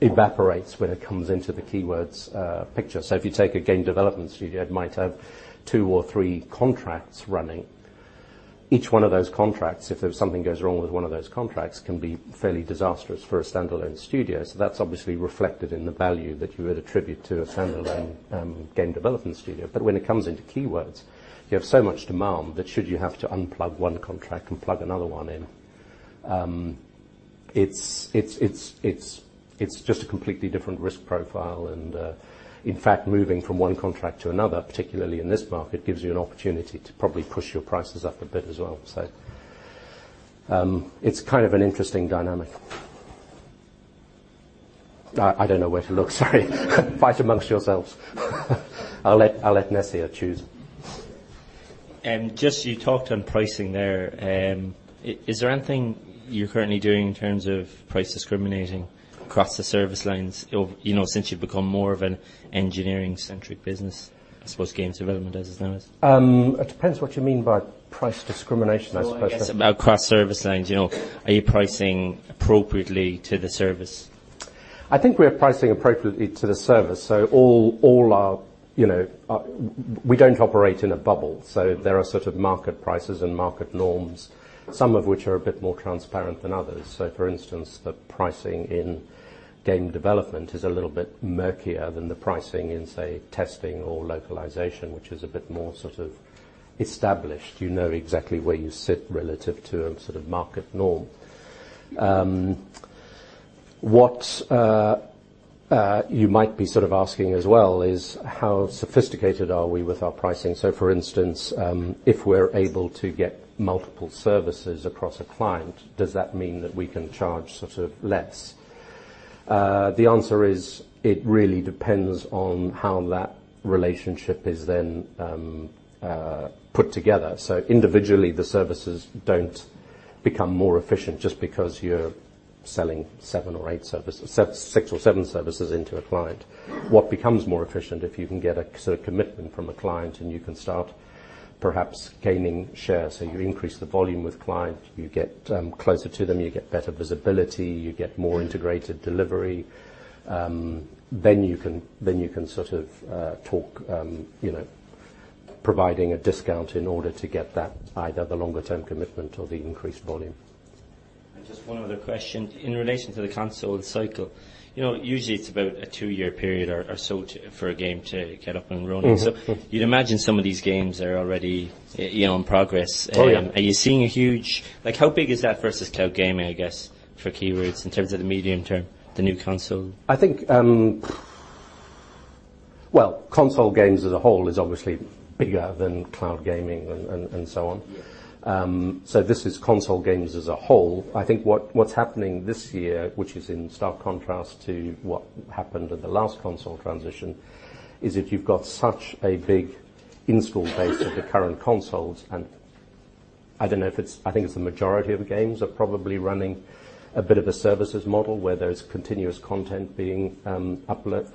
evaporates when it comes into the Keywords picture. If you take a game development studio, it might have two or three contracts running. Each one of those contracts, if something goes wrong with one of those contracts, can be fairly disastrous for a standalone studio. That's obviously reflected in the value that you would attribute to a standalone game development studio. When it comes into Keywords, you have so much demand that should you have to unplug one contract and plug another one in, it's just a completely different risk profile. In fact, moving from one contract to another, particularly in this market, gives you an opportunity to probably push your prices up a bit as well. It's kind of an interesting dynamic. I don't know where to look, sorry. Fight amongst yourselves. I'll let Nessie choose. Just you talked on pricing there. Is there anything you're currently doing in terms of price discriminating across the service lines, since you've become more of an engineering-centric business, I suppose game development as it's known as? It depends what you mean by price discrimination, I suppose. Well, I guess about cross service lines. Are you pricing appropriately to the service? I think we are pricing appropriately to the service. We don't operate in a bubble. There are sort of market prices and market norms, some of which are a bit more transparent than others. For instance, the pricing in game development is a little bit murkier than the pricing in, say, testing or localization, which is a bit more sort of established. You know exactly where you sit relative to a sort of market norm. What you might be sort of asking as well is how sophisticated are we with our pricing? For instance, if we're able to get multiple services across a client, does that mean that we can charge sort of less? The answer is it really depends on how that relationship is then put together. Individually, the services don't become more efficient just because you're selling six or seven services into a client. What becomes more efficient, if you can get a commitment from a client and you can start perhaps gaining share, so you increase the volume with client, you get closer to them, you get better visibility, you get more integrated delivery, then you can talk providing a discount in order to get that, either the longer term commitment or the increased volume. Just one other question. In relation to the console cycle, usually it's about a two-year period or so for a game to get up and running. You'd imagine some of these games are already in progress. Oh, yeah. Are you seeing How big is that versus cloud gaming, I guess, for Keywords in terms of the medium term, the new console? I think console games as a whole is obviously bigger than cloud gaming and so on. Yeah. This is console games as a whole. I think what's happening this year, which is in stark contrast to what happened at the last console transition, is if you've got such a big install base of the current consoles, and I think it's the majority of games are probably running a bit of a services model where there's continuous content being uploaded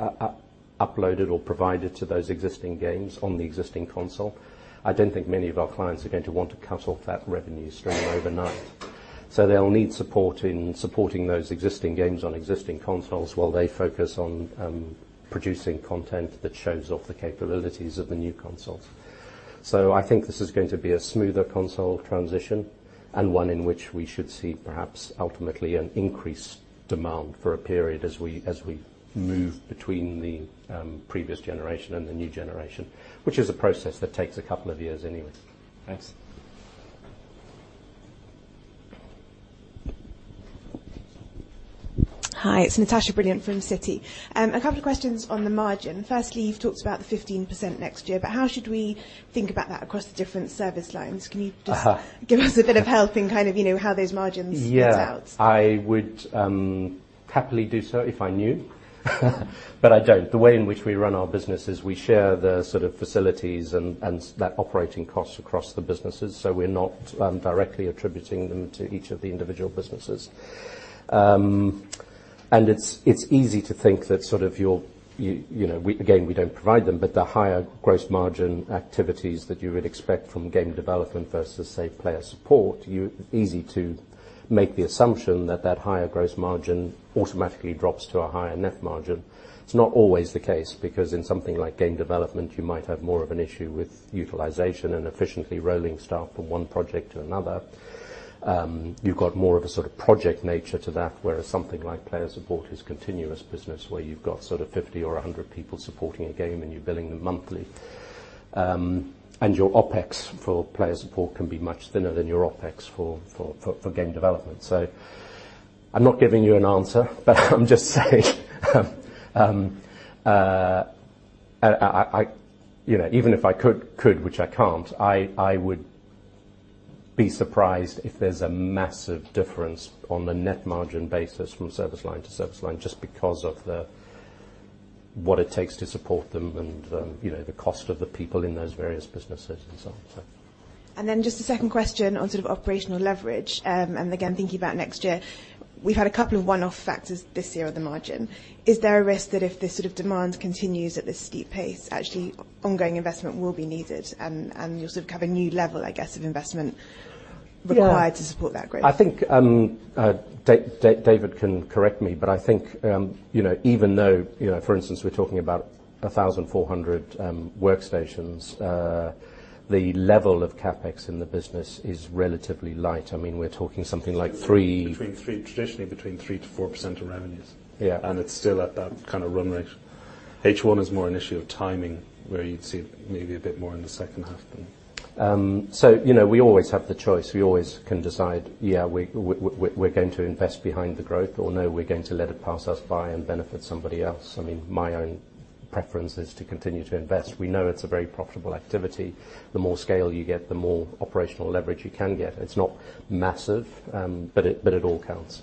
or provided to those existing games on the existing console. I don't think many of our clients are going to want to cut off that revenue stream overnight. They'll need support in supporting those existing games on existing consoles while they focus on producing content that shows off the capabilities of the new consoles. I think this is going to be a smoother console transition and one in which we should see perhaps ultimately an increased demand for a period as we move between the previous generation and the new generation, which is a process that takes a couple of years anyway. Thanks. Hi, it's Natasha Brilliant from Citi. A couple of questions on the margin. Firstly, you've talked about the 15% next year. How should we think about that across the different service lines? Aha. Give us a bit of help in how those margins. Yeah Plays out? I would happily do so if I knew, but I don't. The way in which we run our business is we share the facilities and that operating cost across the businesses, so we're not directly attributing them to each of the individual businesses. It's easy to think that again, we don't provide them, but the higher gross margin activities that you would expect from game development versus, say, player support, easy to make the assumption that that higher gross margin automatically drops to a higher net margin. It's not always the case, because in something like game development, you might have more of an issue with utilization and efficiently rolling staff from one project to another. You've got more of a project nature to that, whereas something like player support is continuous business where you've got 50 or 100 people supporting a game and you're billing them monthly. Your OPEX for player support can be much thinner than your OPEX for game development. I'm not giving you an answer, but I'm just saying even if I could, which I can't, I would be surprised if there's a massive difference on the net margin basis from service line to service line just because of what it takes to support them and the cost of the people in those various businesses and so on. Just a second question on operational leverage. Again, thinking about next year. We've had a couple of one-off factors this year on the margin. Is there a risk that if this sort of demand continues at this steep pace, actually ongoing investment will be needed and you'll have a new level, I guess, of investment required? Yeah To support that growth? I think David can correct me, but I think even though, for instance, we're talking about 1,400 workstations, the level of CapEx in the business is relatively light. We're talking something like three- Traditionally between 3%-4% of revenues. Yeah. It's still at that kind of run rate. H1 is more an issue of timing, where you'd see maybe a bit more in the second half than We always have the choice. We always can decide, yeah, we're going to invest behind the growth or no, we're going to let it pass us by and benefit somebody else. My own preference is to continue to invest. We know it's a very profitable activity. The more scale you get, the more operational leverage you can get. It's not massive, but it all counts.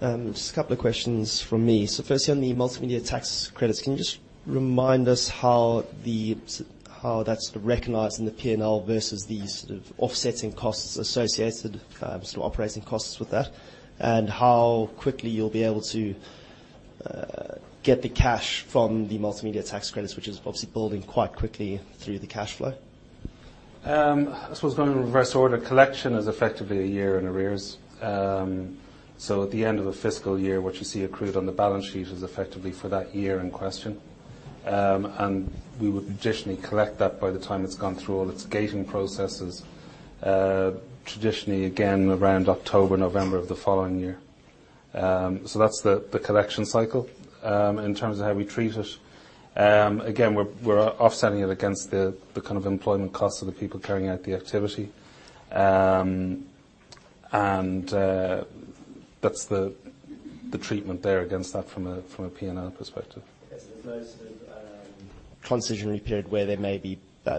Just two questions from me. Firstly, on the multimedia tax credits, can you just remind us how that's recognized in the P&L versus the offsetting costs associated, operating costs with that? How quickly you'll be able to get the cash from the multimedia tax credits, which is obviously building quite quickly through the cash flow? I suppose going in reverse order. Collection is effectively a year in arrears. At the end of the fiscal year, what you see accrued on the balance sheet is effectively for that year in question. We would traditionally collect that by the time it's gone through all its gating processes, traditionally, again, around October, November of the following year. That's the collection cycle. In terms of how we treat it, again, we're offsetting it against the employment cost of the people carrying out the activity. That's the treatment there against that from a P&L perspective. Yes. There's no sort of transitionary period where there may be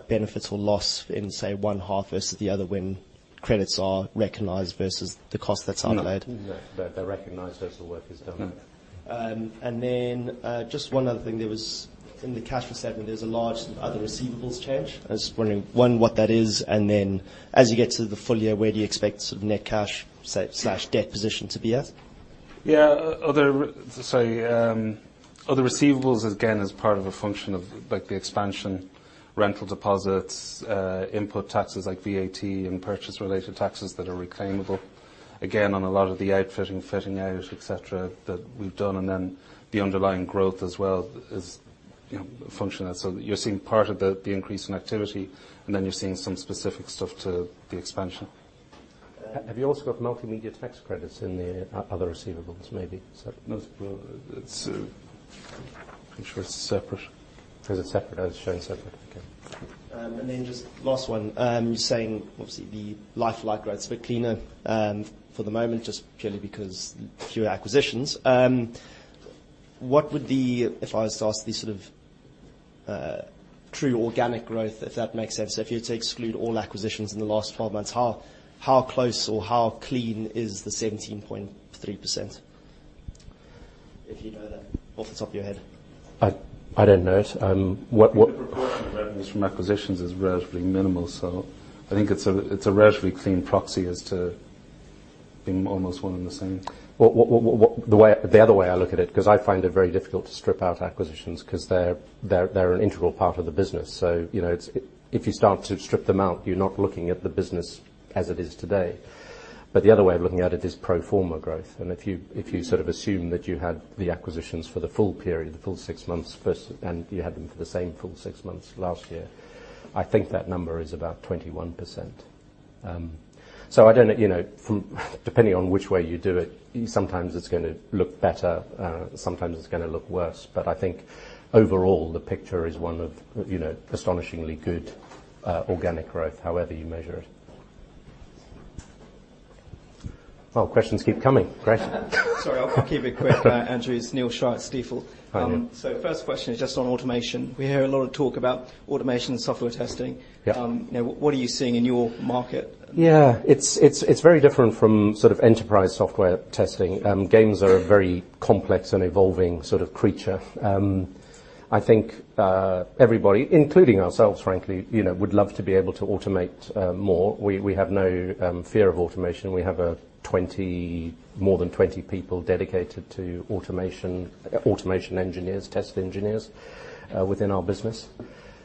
benefits or loss in, say, one half versus the other when credits are recognized versus the cost that's outlaid. No. They're recognized as the work is done. No. Just one other thing. In the cash flow statement, there is a large other receivables change. I was just wondering, one, what that is, and then as you get to the full year, where do you expect net cash/debt position to be at? Yeah. Other receivables, again, is part of a function of the expansion, rental deposits, input taxes like VAT and purchase-related taxes that are reclaimable. Again, on a lot of the outfitting, fitting out, et cetera, that we've done, and then the underlying growth as well is functional. You're seeing part of the increase in activity, and then you're seeing some specific stuff to the expansion. Have you also got Multimedia Tax Credits in the other receivables maybe? No. I'm sure it's separate. Is it separate? I was showing separate. Okay. Just last one. You're saying, obviously, the like-for-like growth is a bit cleaner for the moment, just purely because fewer acquisitions. If I was to ask the sort of true organic growth, if that makes sense, if you were to exclude all acquisitions in the last 12 months, how close or how clean is the 17.3%? If you know that off the top of your head. I don't know it. The proportion of revenues from acquisitions is relatively minimal, so I think it's a relatively clean proxy as to being almost one and the same. The other way I look at it, because I find it very difficult to strip out acquisitions because they're an integral part of the business. If you start to strip them out, you're not looking at the business as it is today. The other way of looking at it is pro forma growth. If you assume that you had the acquisitions for the full period, the full six months first, and you had them for the same full six months last year, I think that number is about 21%. Depending on which way you do it, sometimes it's going to look better, sometimes it's going to look worse. I think overall, the picture is one of astonishingly good organic growth however you measure it. Well, questions keep coming. Great. Sorry, I'll keep it quick, Andrew. It's Neil Shah at Stifel. Hi, Neil. First question is just on automation. We hear a lot of talk about automation and software testing. Yeah. What are you seeing in your market? Yeah. It's very different from enterprise software testing. Games are a very complex and evolving sort of creature. I think everybody, including ourselves, frankly, would love to be able to automate more. We have no fear of automation. We have more than 20 people dedicated to automation engineers, test engineers within our business.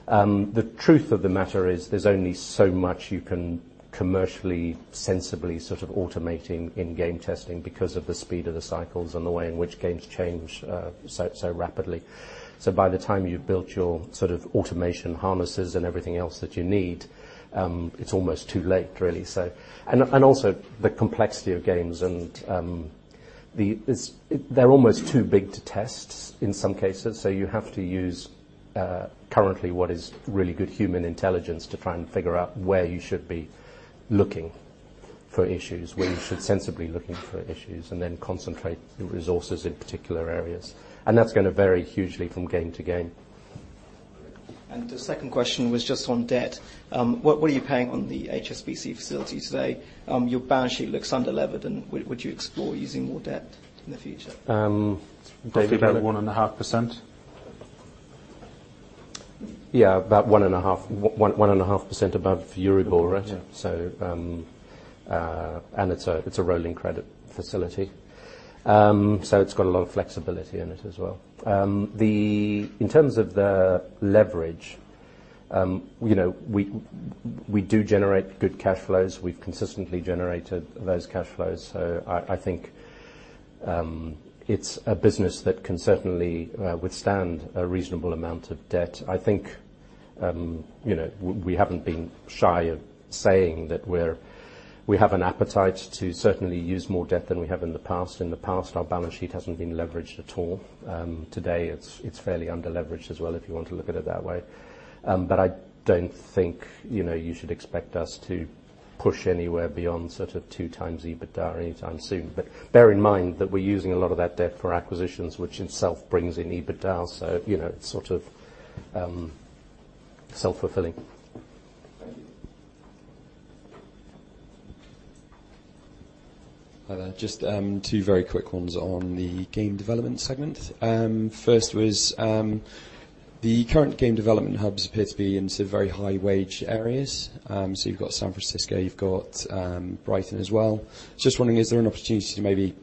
The truth of the matter is there's only so much you can commercially, sensibly automate in game testing because of the speed of the cycles and the way in which games change so rapidly. By the time you've built your automation harnesses and everything else that you need, it's almost too late, really. Also the complexity of games and they're almost too big to test in some cases. You have to use currently what is really good human intelligence to try and figure out where you should be looking for issues, where you should sensibly be looking for issues, and then concentrate resources in particular areas. That's going to vary hugely from game to game. The second question was just on debt. What are you paying on the HSBC facility today? Your balance sheet looks under-levered, and would you explore using more debt in the future? David? Probably about 1.5%. Yeah. About 1.5% above Euribor rate. Yeah. It's a rolling credit facility. It's got a lot of flexibility in it as well. In terms of the leverage, we do generate good cash flows. We've consistently generated those cash flows. I think it's a business that can certainly withstand a reasonable amount of debt. I think we haven't been shy of saying that we have an appetite to certainly use more debt than we have in the past. In the past, our balance sheet hasn't been leveraged at all. Today it's fairly under-leveraged as well, if you want to look at it that way. I don't think you should expect us to push anywhere beyond sort of 2x EBITDA any time soon. Bear in mind that we're using a lot of that debt for acquisitions, which itself brings in EBITDA. It's sort of self-fulfilling. Thank you. Hi there. Just two very quick ones on the game development segment. First was the current game development hubs appear to be in sort of very high wage areas. You've got San Francisco, you've got Brighton as well. Just wondering, is there an opportunity to maybe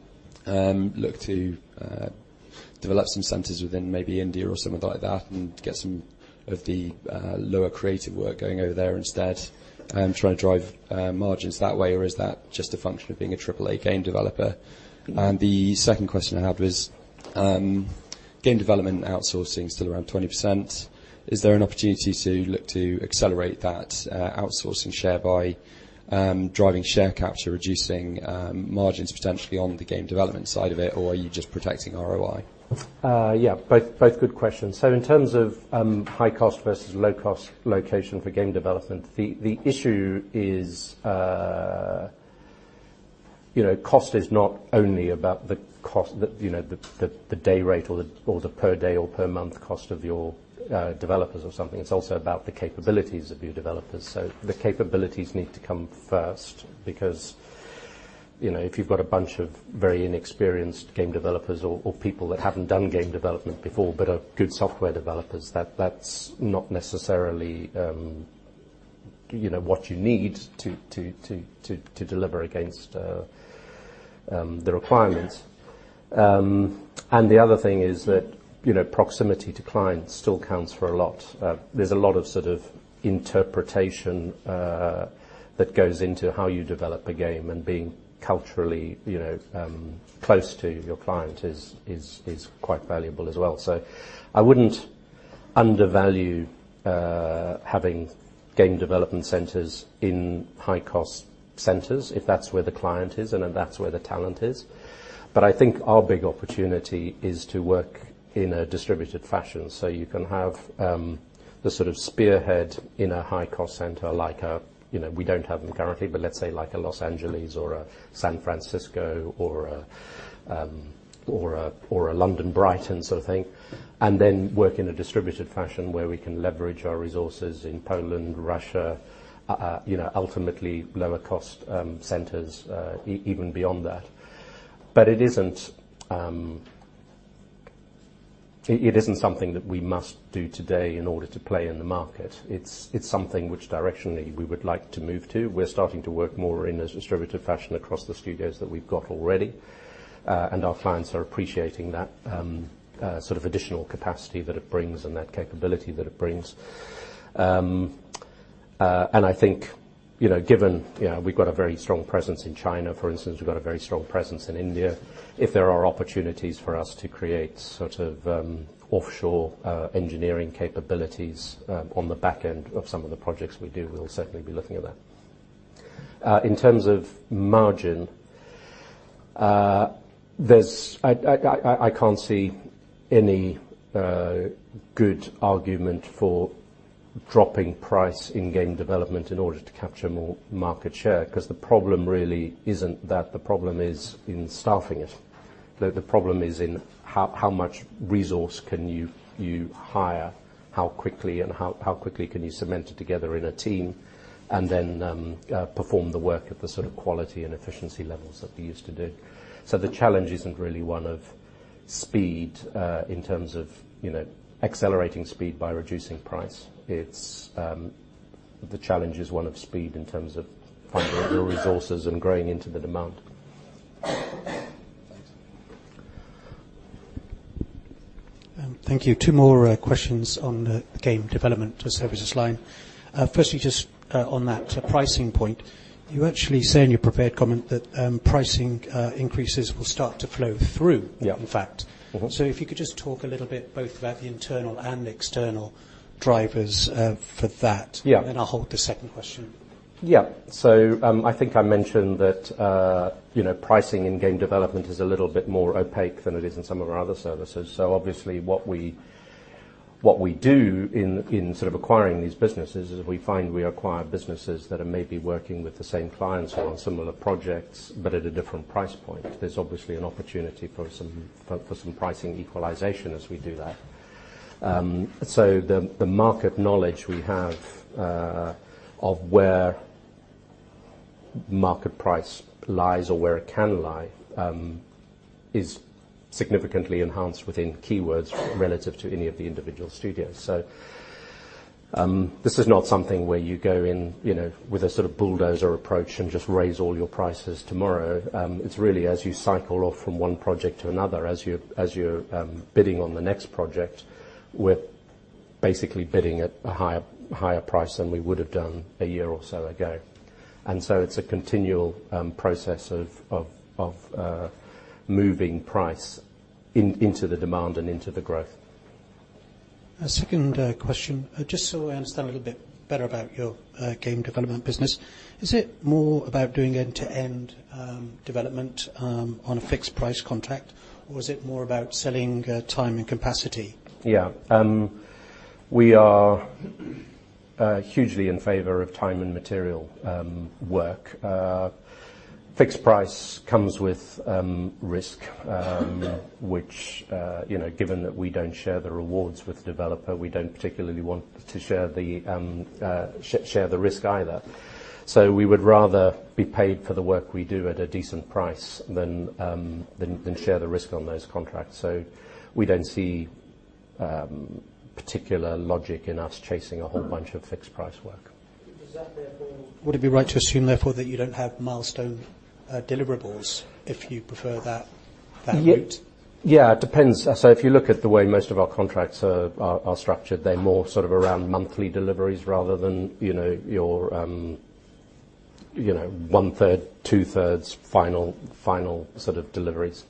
look to develop some centers within maybe India or somewhere like that and get some of the lower creative work going over there instead and trying to drive margins that way? Is that just a function of being AAA game developer? The second question I had was, game development outsourcing is still around 20%. Is there an opportunity to look to accelerate that outsourcing share by driving share capture, reducing margins potentially on the game development side of it? Are you just protecting ROI? Yeah. Both good questions. In terms of high cost versus low cost location for game development, the issue is cost is not only about the day rate or the per day or per month cost of your developers or something. It's also about the capabilities of your developers. The capabilities need to come first, because if you've got a bunch of very inexperienced game developers or people that haven't done game development before but are good software developers, that's not necessarily what you need to deliver against the requirements. The other thing is that proximity to clients still counts for a lot. There's a lot of interpretation that goes into how you develop a game and being culturally close to your client is quite valuable as well. I wouldn't undervalue having game development centers in high-cost centers if that's where the client is and if that's where the talent is. I think our big opportunity is to work in a distributed fashion so you can have the sort of spearhead in a high-cost center like a, we don't have them currently, but let's say like a Los Angeles or a San Francisco or a London, Brighton sort of thing, and then work in a distributed fashion where we can leverage our resources in Poland, Russia, ultimately lower cost centers even beyond that. It isn't something that we must do today in order to play in the market. It's something which directionally we would like to move to. We're starting to work more in a distributed fashion across the studios that we've got already. Our clients are appreciating that sort of additional capacity that it brings and that capability that it brings. I think, given we've got a very strong presence in China, for instance, we've got a very strong presence in India. If there are opportunities for us to create sort of offshore engineering capabilities on the back end of some of the projects we do, we'll certainly be looking at that. In terms of margin, I can't see any good argument for dropping price in game development in order to capture more market share, because the problem really isn't that. The problem is in staffing it. The problem is in how much resource can you hire, how quickly, and how quickly can you cement it together in a team and then perform the work at the sort of quality and efficiency levels that we're used to do. The challenge isn't really one of speed in terms of accelerating speed by reducing price. The challenge is one of speed in terms of finding the resources and growing into the demand. Thanks. Thank you. Two more questions on the game development services line. Firstly, just on that pricing point, you actually say in your prepared comment that pricing increases will start to flow through. Yeah in fact. If you could just talk a little bit both about the internal and external drivers for that. Yeah. I'll hold the second question. Yeah. I think I mentioned that pricing in game development is a little bit more opaque than it is in some of our other services. Obviously what we do in sort of acquiring these businesses is we acquire businesses that are maybe working with the same clients on similar projects, but at a different price point. There's obviously an opportunity for some pricing equalization as we do that. The market knowledge we have of where market price lies or where it can lie is significantly enhanced within Keywords relative to any of the individual studios. This is not something where you go in with a sort of bulldozer approach and just raise all your prices tomorrow. It's really as you cycle off from one project to another, as you're bidding on the next project, we're basically bidding at a higher price than we would have done a year or so ago. It's a continual process of moving price into the demand and into the growth. A second question, just so I understand a little bit better about your game development business. Is it more about doing end-to-end development on a fixed price contract, or is it more about selling time and capacity? Yeah. We are hugely in favor of time and material work. Fixed price comes with risk, which given that we don't share the rewards with the developer, we don't particularly want to share the risk either. We would rather be paid for the work we do at a decent price than share the risk on those contracts. We don't see particular logic in us chasing a whole bunch of fixed price work. Would it be right to assume therefore that you don't have milestone deliverables if you prefer that route? Yeah, it depends. If you look at the way most of our contracts are structured, they're more sort of around monthly deliveries rather than your one third, two thirds final sort of deliveries.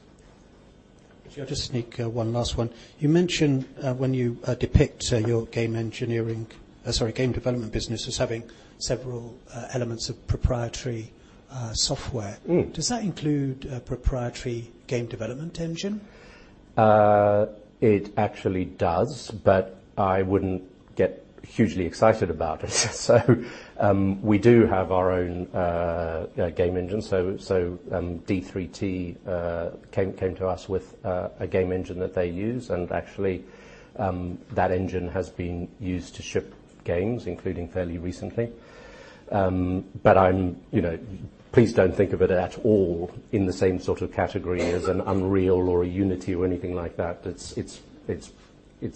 Just sneak one last one. You mentioned when you depict your game engineering, sorry, game development business as having several elements of proprietary software. Does that include a proprietary game development engine? It actually does, but I wouldn't get hugely excited about it. We do have our own game engine. d3t came to us with a game engine that they use, and actually, that engine has been used to ship games, including fairly recently. Please don't think of it at all in the same sort of category as an Unreal or a Unity or anything like that. It's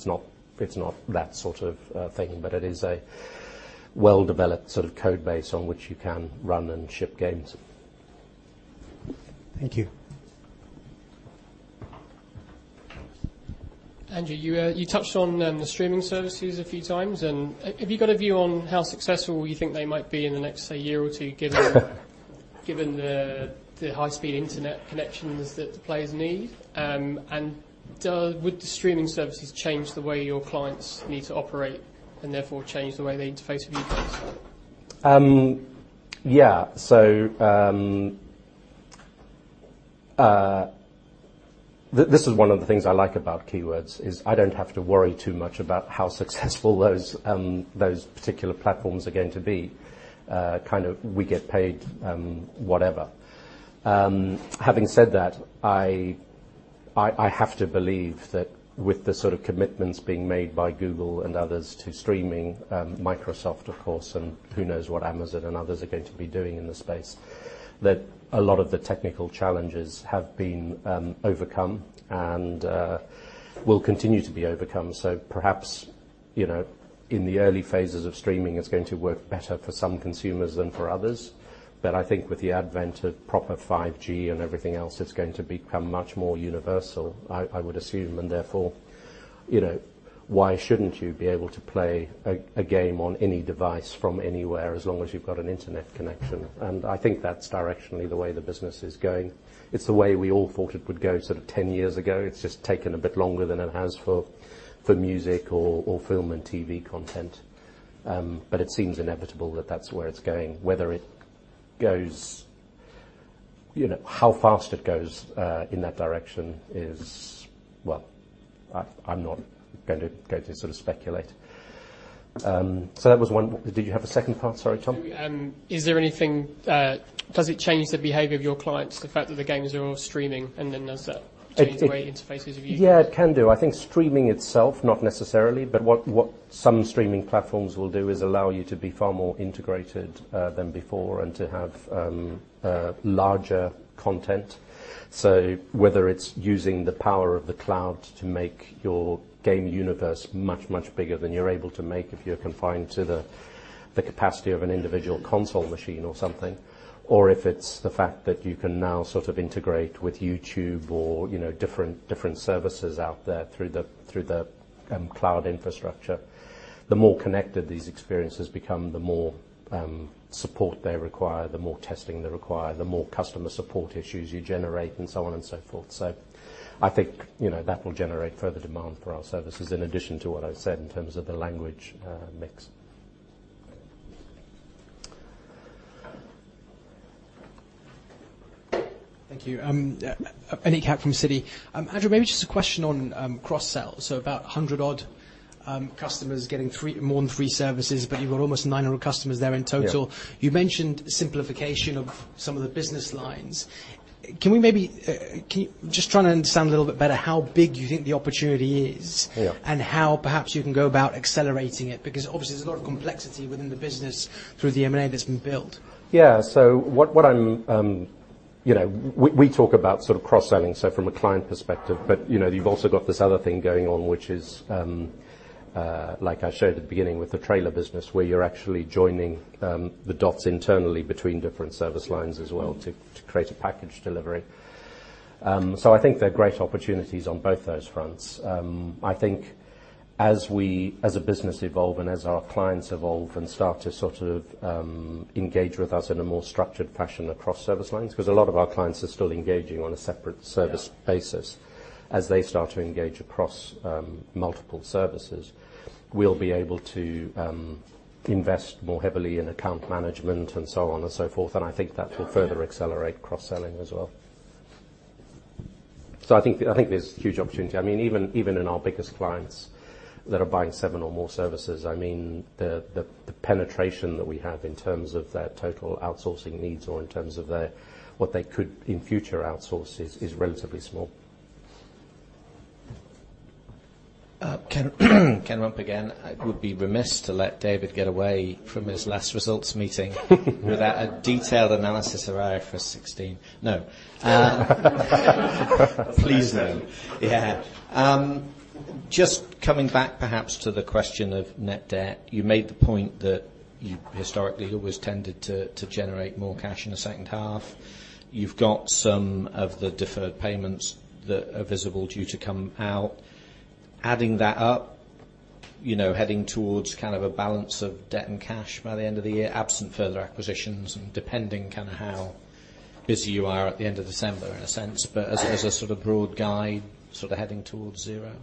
not that sort of thing, but it is a well-developed sort of code base on which you can run and ship games. Thank you. Andrew, you touched on the streaming services a few times, have you got a view on how successful you think they might be in the next say, year or two given the high-speed internet connections that the players need? Would the streaming services change the way your clients need to operate, and therefore change the way they interface with you guys? Yeah. This is one of the things I like about Keywords, is I don't have to worry too much about how successful those particular platforms are going to be. Kind of we get paid, whatever. Having said that, I have to believe that with the sort of commitments being made by Google and others to streaming, Microsoft of course, and who knows what Amazon and others are going to be doing in the space, that a lot of the technical challenges have been overcome and will continue to be overcome. Perhaps, in the early phases of streaming, it's going to work better for some consumers than for others. I think with the advent of proper 5G and everything else, it's going to become much more universal, I would assume. Therefore, why shouldn't you be able to play a game on any device from anywhere as long as you've got an internet connection? I think that's directionally the way the business is going. It's the way we all thought it would go sort of 10 years ago. It's just taken a bit longer than it has for music or film and TV content. It seems inevitable that that's where it's going. Whether it goes, how fast it goes in that direction is, well, I'm not going to go to sort of speculate. That was one. Did you have a second part? Sorry, Tom. Does it change the behavior of your clients, the fact that the games are all streaming, and then does that change the way you interface with your users? Yeah, it can do. I think streaming itself, not necessarily, but what some streaming platforms will do is allow you to be far more integrated than before and to have larger content. Whether it's using the power of the cloud to make your game universe much, much bigger than you're able to make if you're confined to the capacity of an individual console machine or something, or if it's the fact that you can now sort of integrate with YouTube or different services out there through the cloud infrastructure. The more connected these experiences become, the more support they require, the more testing they require, the more customer support issues you generate, and so on and so forth. I think that will generate further demand for our services in addition to what I said in terms of the language mix. Thank you. Benny Capp from Citi. Andrew, maybe just a question on cross-sells. About 100 odd customers getting more than three services, but you've got almost 900 customers there in total. Yeah. You mentioned simplification of some of the business lines. Just trying to understand a little bit better how big you think the opportunity is? Yeah How perhaps you can go about accelerating it, because obviously there's a lot of complexity within the business through the M&A that's been built. Yeah. We talk about sort of cross-selling, so from a client perspective, but you've also got this other thing going on, which is like I showed at the beginning with the trailer business, where you're actually joining the dots internally between different service lines as well to create a package delivery. I think there are great opportunities on both those fronts. I think as a business evolve and as our clients evolve and start to sort of engage with us in a more structured fashion across service lines, because a lot of our clients are still engaging on a separate service basis. As they start to engage across multiple services, we'll be able to invest more heavily in account management and so on and so forth, and I think that will further accelerate cross-selling as well. I think there's huge opportunity. Even in our biggest clients that are buying seven or more services, the penetration that we have in terms of their total outsourcing needs or in terms of what they could in future outsource is relatively small. Ken Rumph again. I would be remiss to let David get away from his last results meeting, without a detailed analysis of IFRS 16. No. Please no. Yeah. Just coming back perhaps to the question of net debt. You made the point that you historically always tended to generate more cash in the second half. You've got some of the deferred payments that are visible due to come out. Adding that up, heading towards kind of a balance of debt and cash by the end of the year, absent further acquisitions and depending kind of how busy you are at the end of December in a sense, but as a sort of broad guide, sort of heading towards zero? Yeah.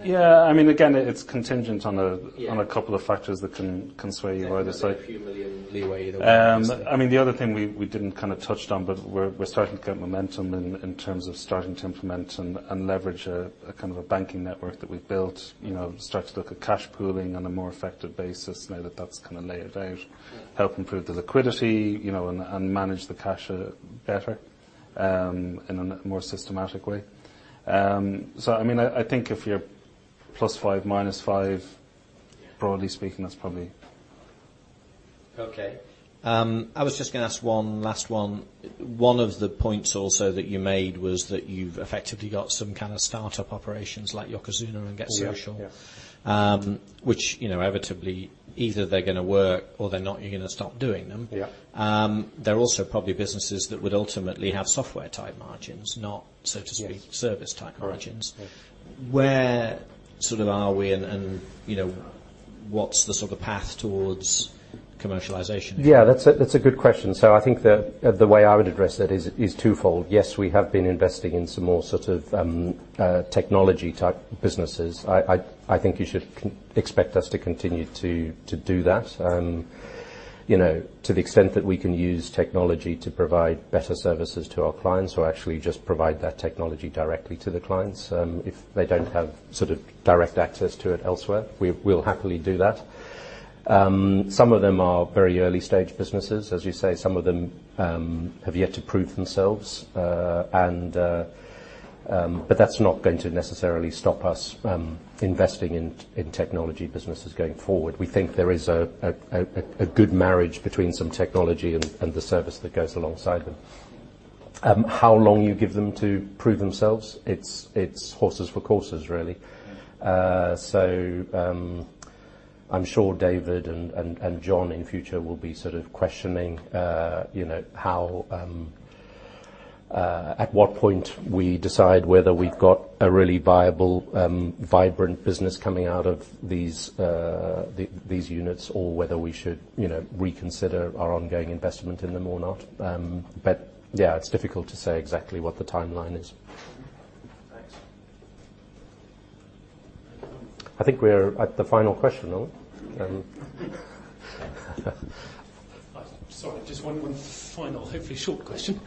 Again, it's contingent on a- Yeah Couple of factors that can sway you either side. A few million EUR leeway either way. The other thing we didn't touch on, but we're starting to get momentum in terms of starting to implement and leverage a kind of a banking network that we've built. Start to look at cash pooling on a more effective basis now that that's kind of laid out. Yeah. Help improve the liquidity, and manage the cash better in a more systematic way. I think if you're +5, -5. Yeah Broadly speaking, that's probably. Okay. I was just going to ask one last one. One of the points also that you made was that you've effectively got some kind of startup operations like Yokozuna and GetSocial. Yes. Yeah. Which inevitably, either they're going to work or they're not, and you're going to stop doing them. Yeah. They're also probably businesses that would ultimately have software-type margins, not so to speak- Yes Service-type margins. Right. Yeah. Where sort of are we and what's the sort of path towards commercialization? That's a good question. I think that the way I would address it is twofold. Yes, we have been investing in some more sort of technology-type businesses. I think you should expect us to continue to do that. To the extent that we can use technology to provide better services to our clients or actually just provide that technology directly to the clients if they don't have sort of direct access to it elsewhere, we'll happily do that. Some of them are very early-stage businesses. As you say, some of them have yet to prove themselves. That's not going to necessarily stop us from investing in technology businesses going forward. We think there is a good marriage between some technology and the service that goes alongside them. How long you give them to prove themselves? It's horses for courses, really. Yeah. I'm sure David and John in future will be sort of questioning at what point we decide whether we've got a really viable, vibrant business coming out of these units or whether we should reconsider our ongoing investment in them or not. Yeah, it's difficult to say exactly what the timeline is. Thanks. I think we're at the final question now. Sorry. Just one final, hopefully short question.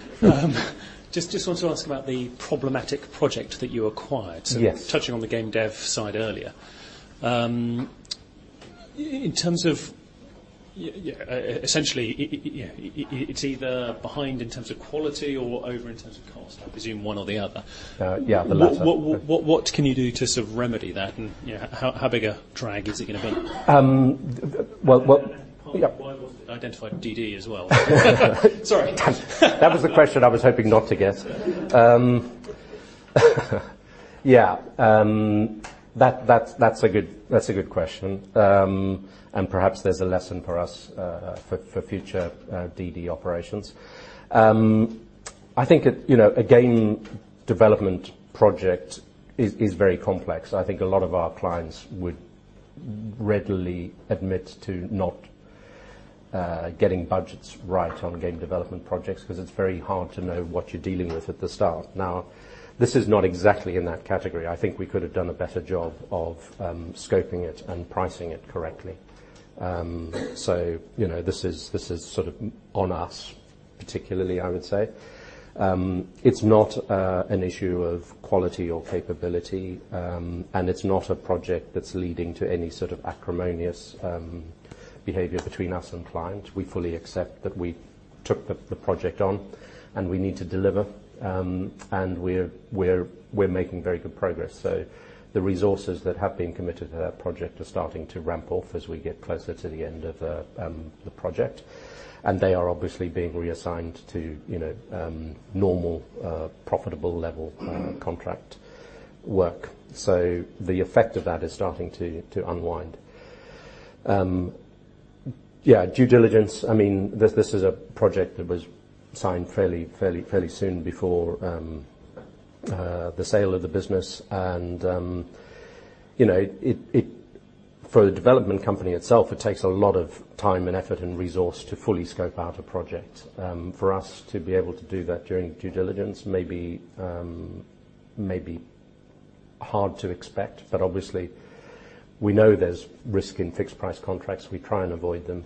Just want to ask about the problematic project that you acquired. Yes. Touching on the game dev side earlier. In terms of essentially it's either behind in terms of quality or over in terms of cost, I presume one or the other. Yeah, the latter. What can you do to sort of remedy that, and how big a drag is it going to be? Well- Why wasn't it identified DD as well? Sorry. That was the question I was hoping not to get. Yeah. That's a good question. Perhaps there's a lesson for us for future DD operations. I think a game development project is very complex. I think a lot of our clients would readily admit to not getting budgets right on game development projects because it's very hard to know what you're dealing with at the start. This is not exactly in that category. I think we could have done a better job of scoping it and pricing it correctly. This is sort of on us, particularly I would say. It's not an issue of quality or capability, and it's not a project that's leading to any sort of acrimonious behavior between us and client. We fully accept that we took the project on, and we need to deliver. We're making very good progress. The resources that have been committed to that project are starting to ramp off as we get closer to the end of the project. They are obviously being reassigned to normal profitable level contract work. The effect of that is starting to unwind. Yeah. Due Diligence. This is a project that was signed fairly soon before the sale of the business. For a development company itself, it takes a lot of time and effort and resource to fully scope out a project. For us to be able to do that during Due Diligence may be hard to expect. Obviously we know there's risk in fixed price contracts. We try and avoid them.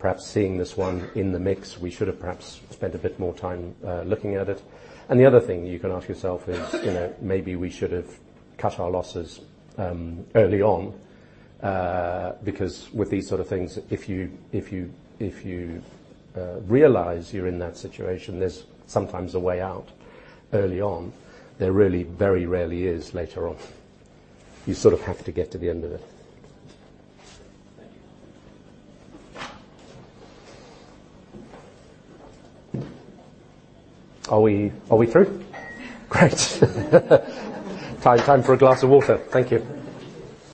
Perhaps seeing this one in the mix, we should have perhaps spent a bit more time looking at it. The other thing you can ask yourself is maybe we should have cut our losses early on. With these sort of things, if you realize you're in that situation, there's sometimes a way out early on. There really very rarely is later on. You sort of have to get to the end of it. Thank you. Are we through? Great. Time for a glass of water. Thank you.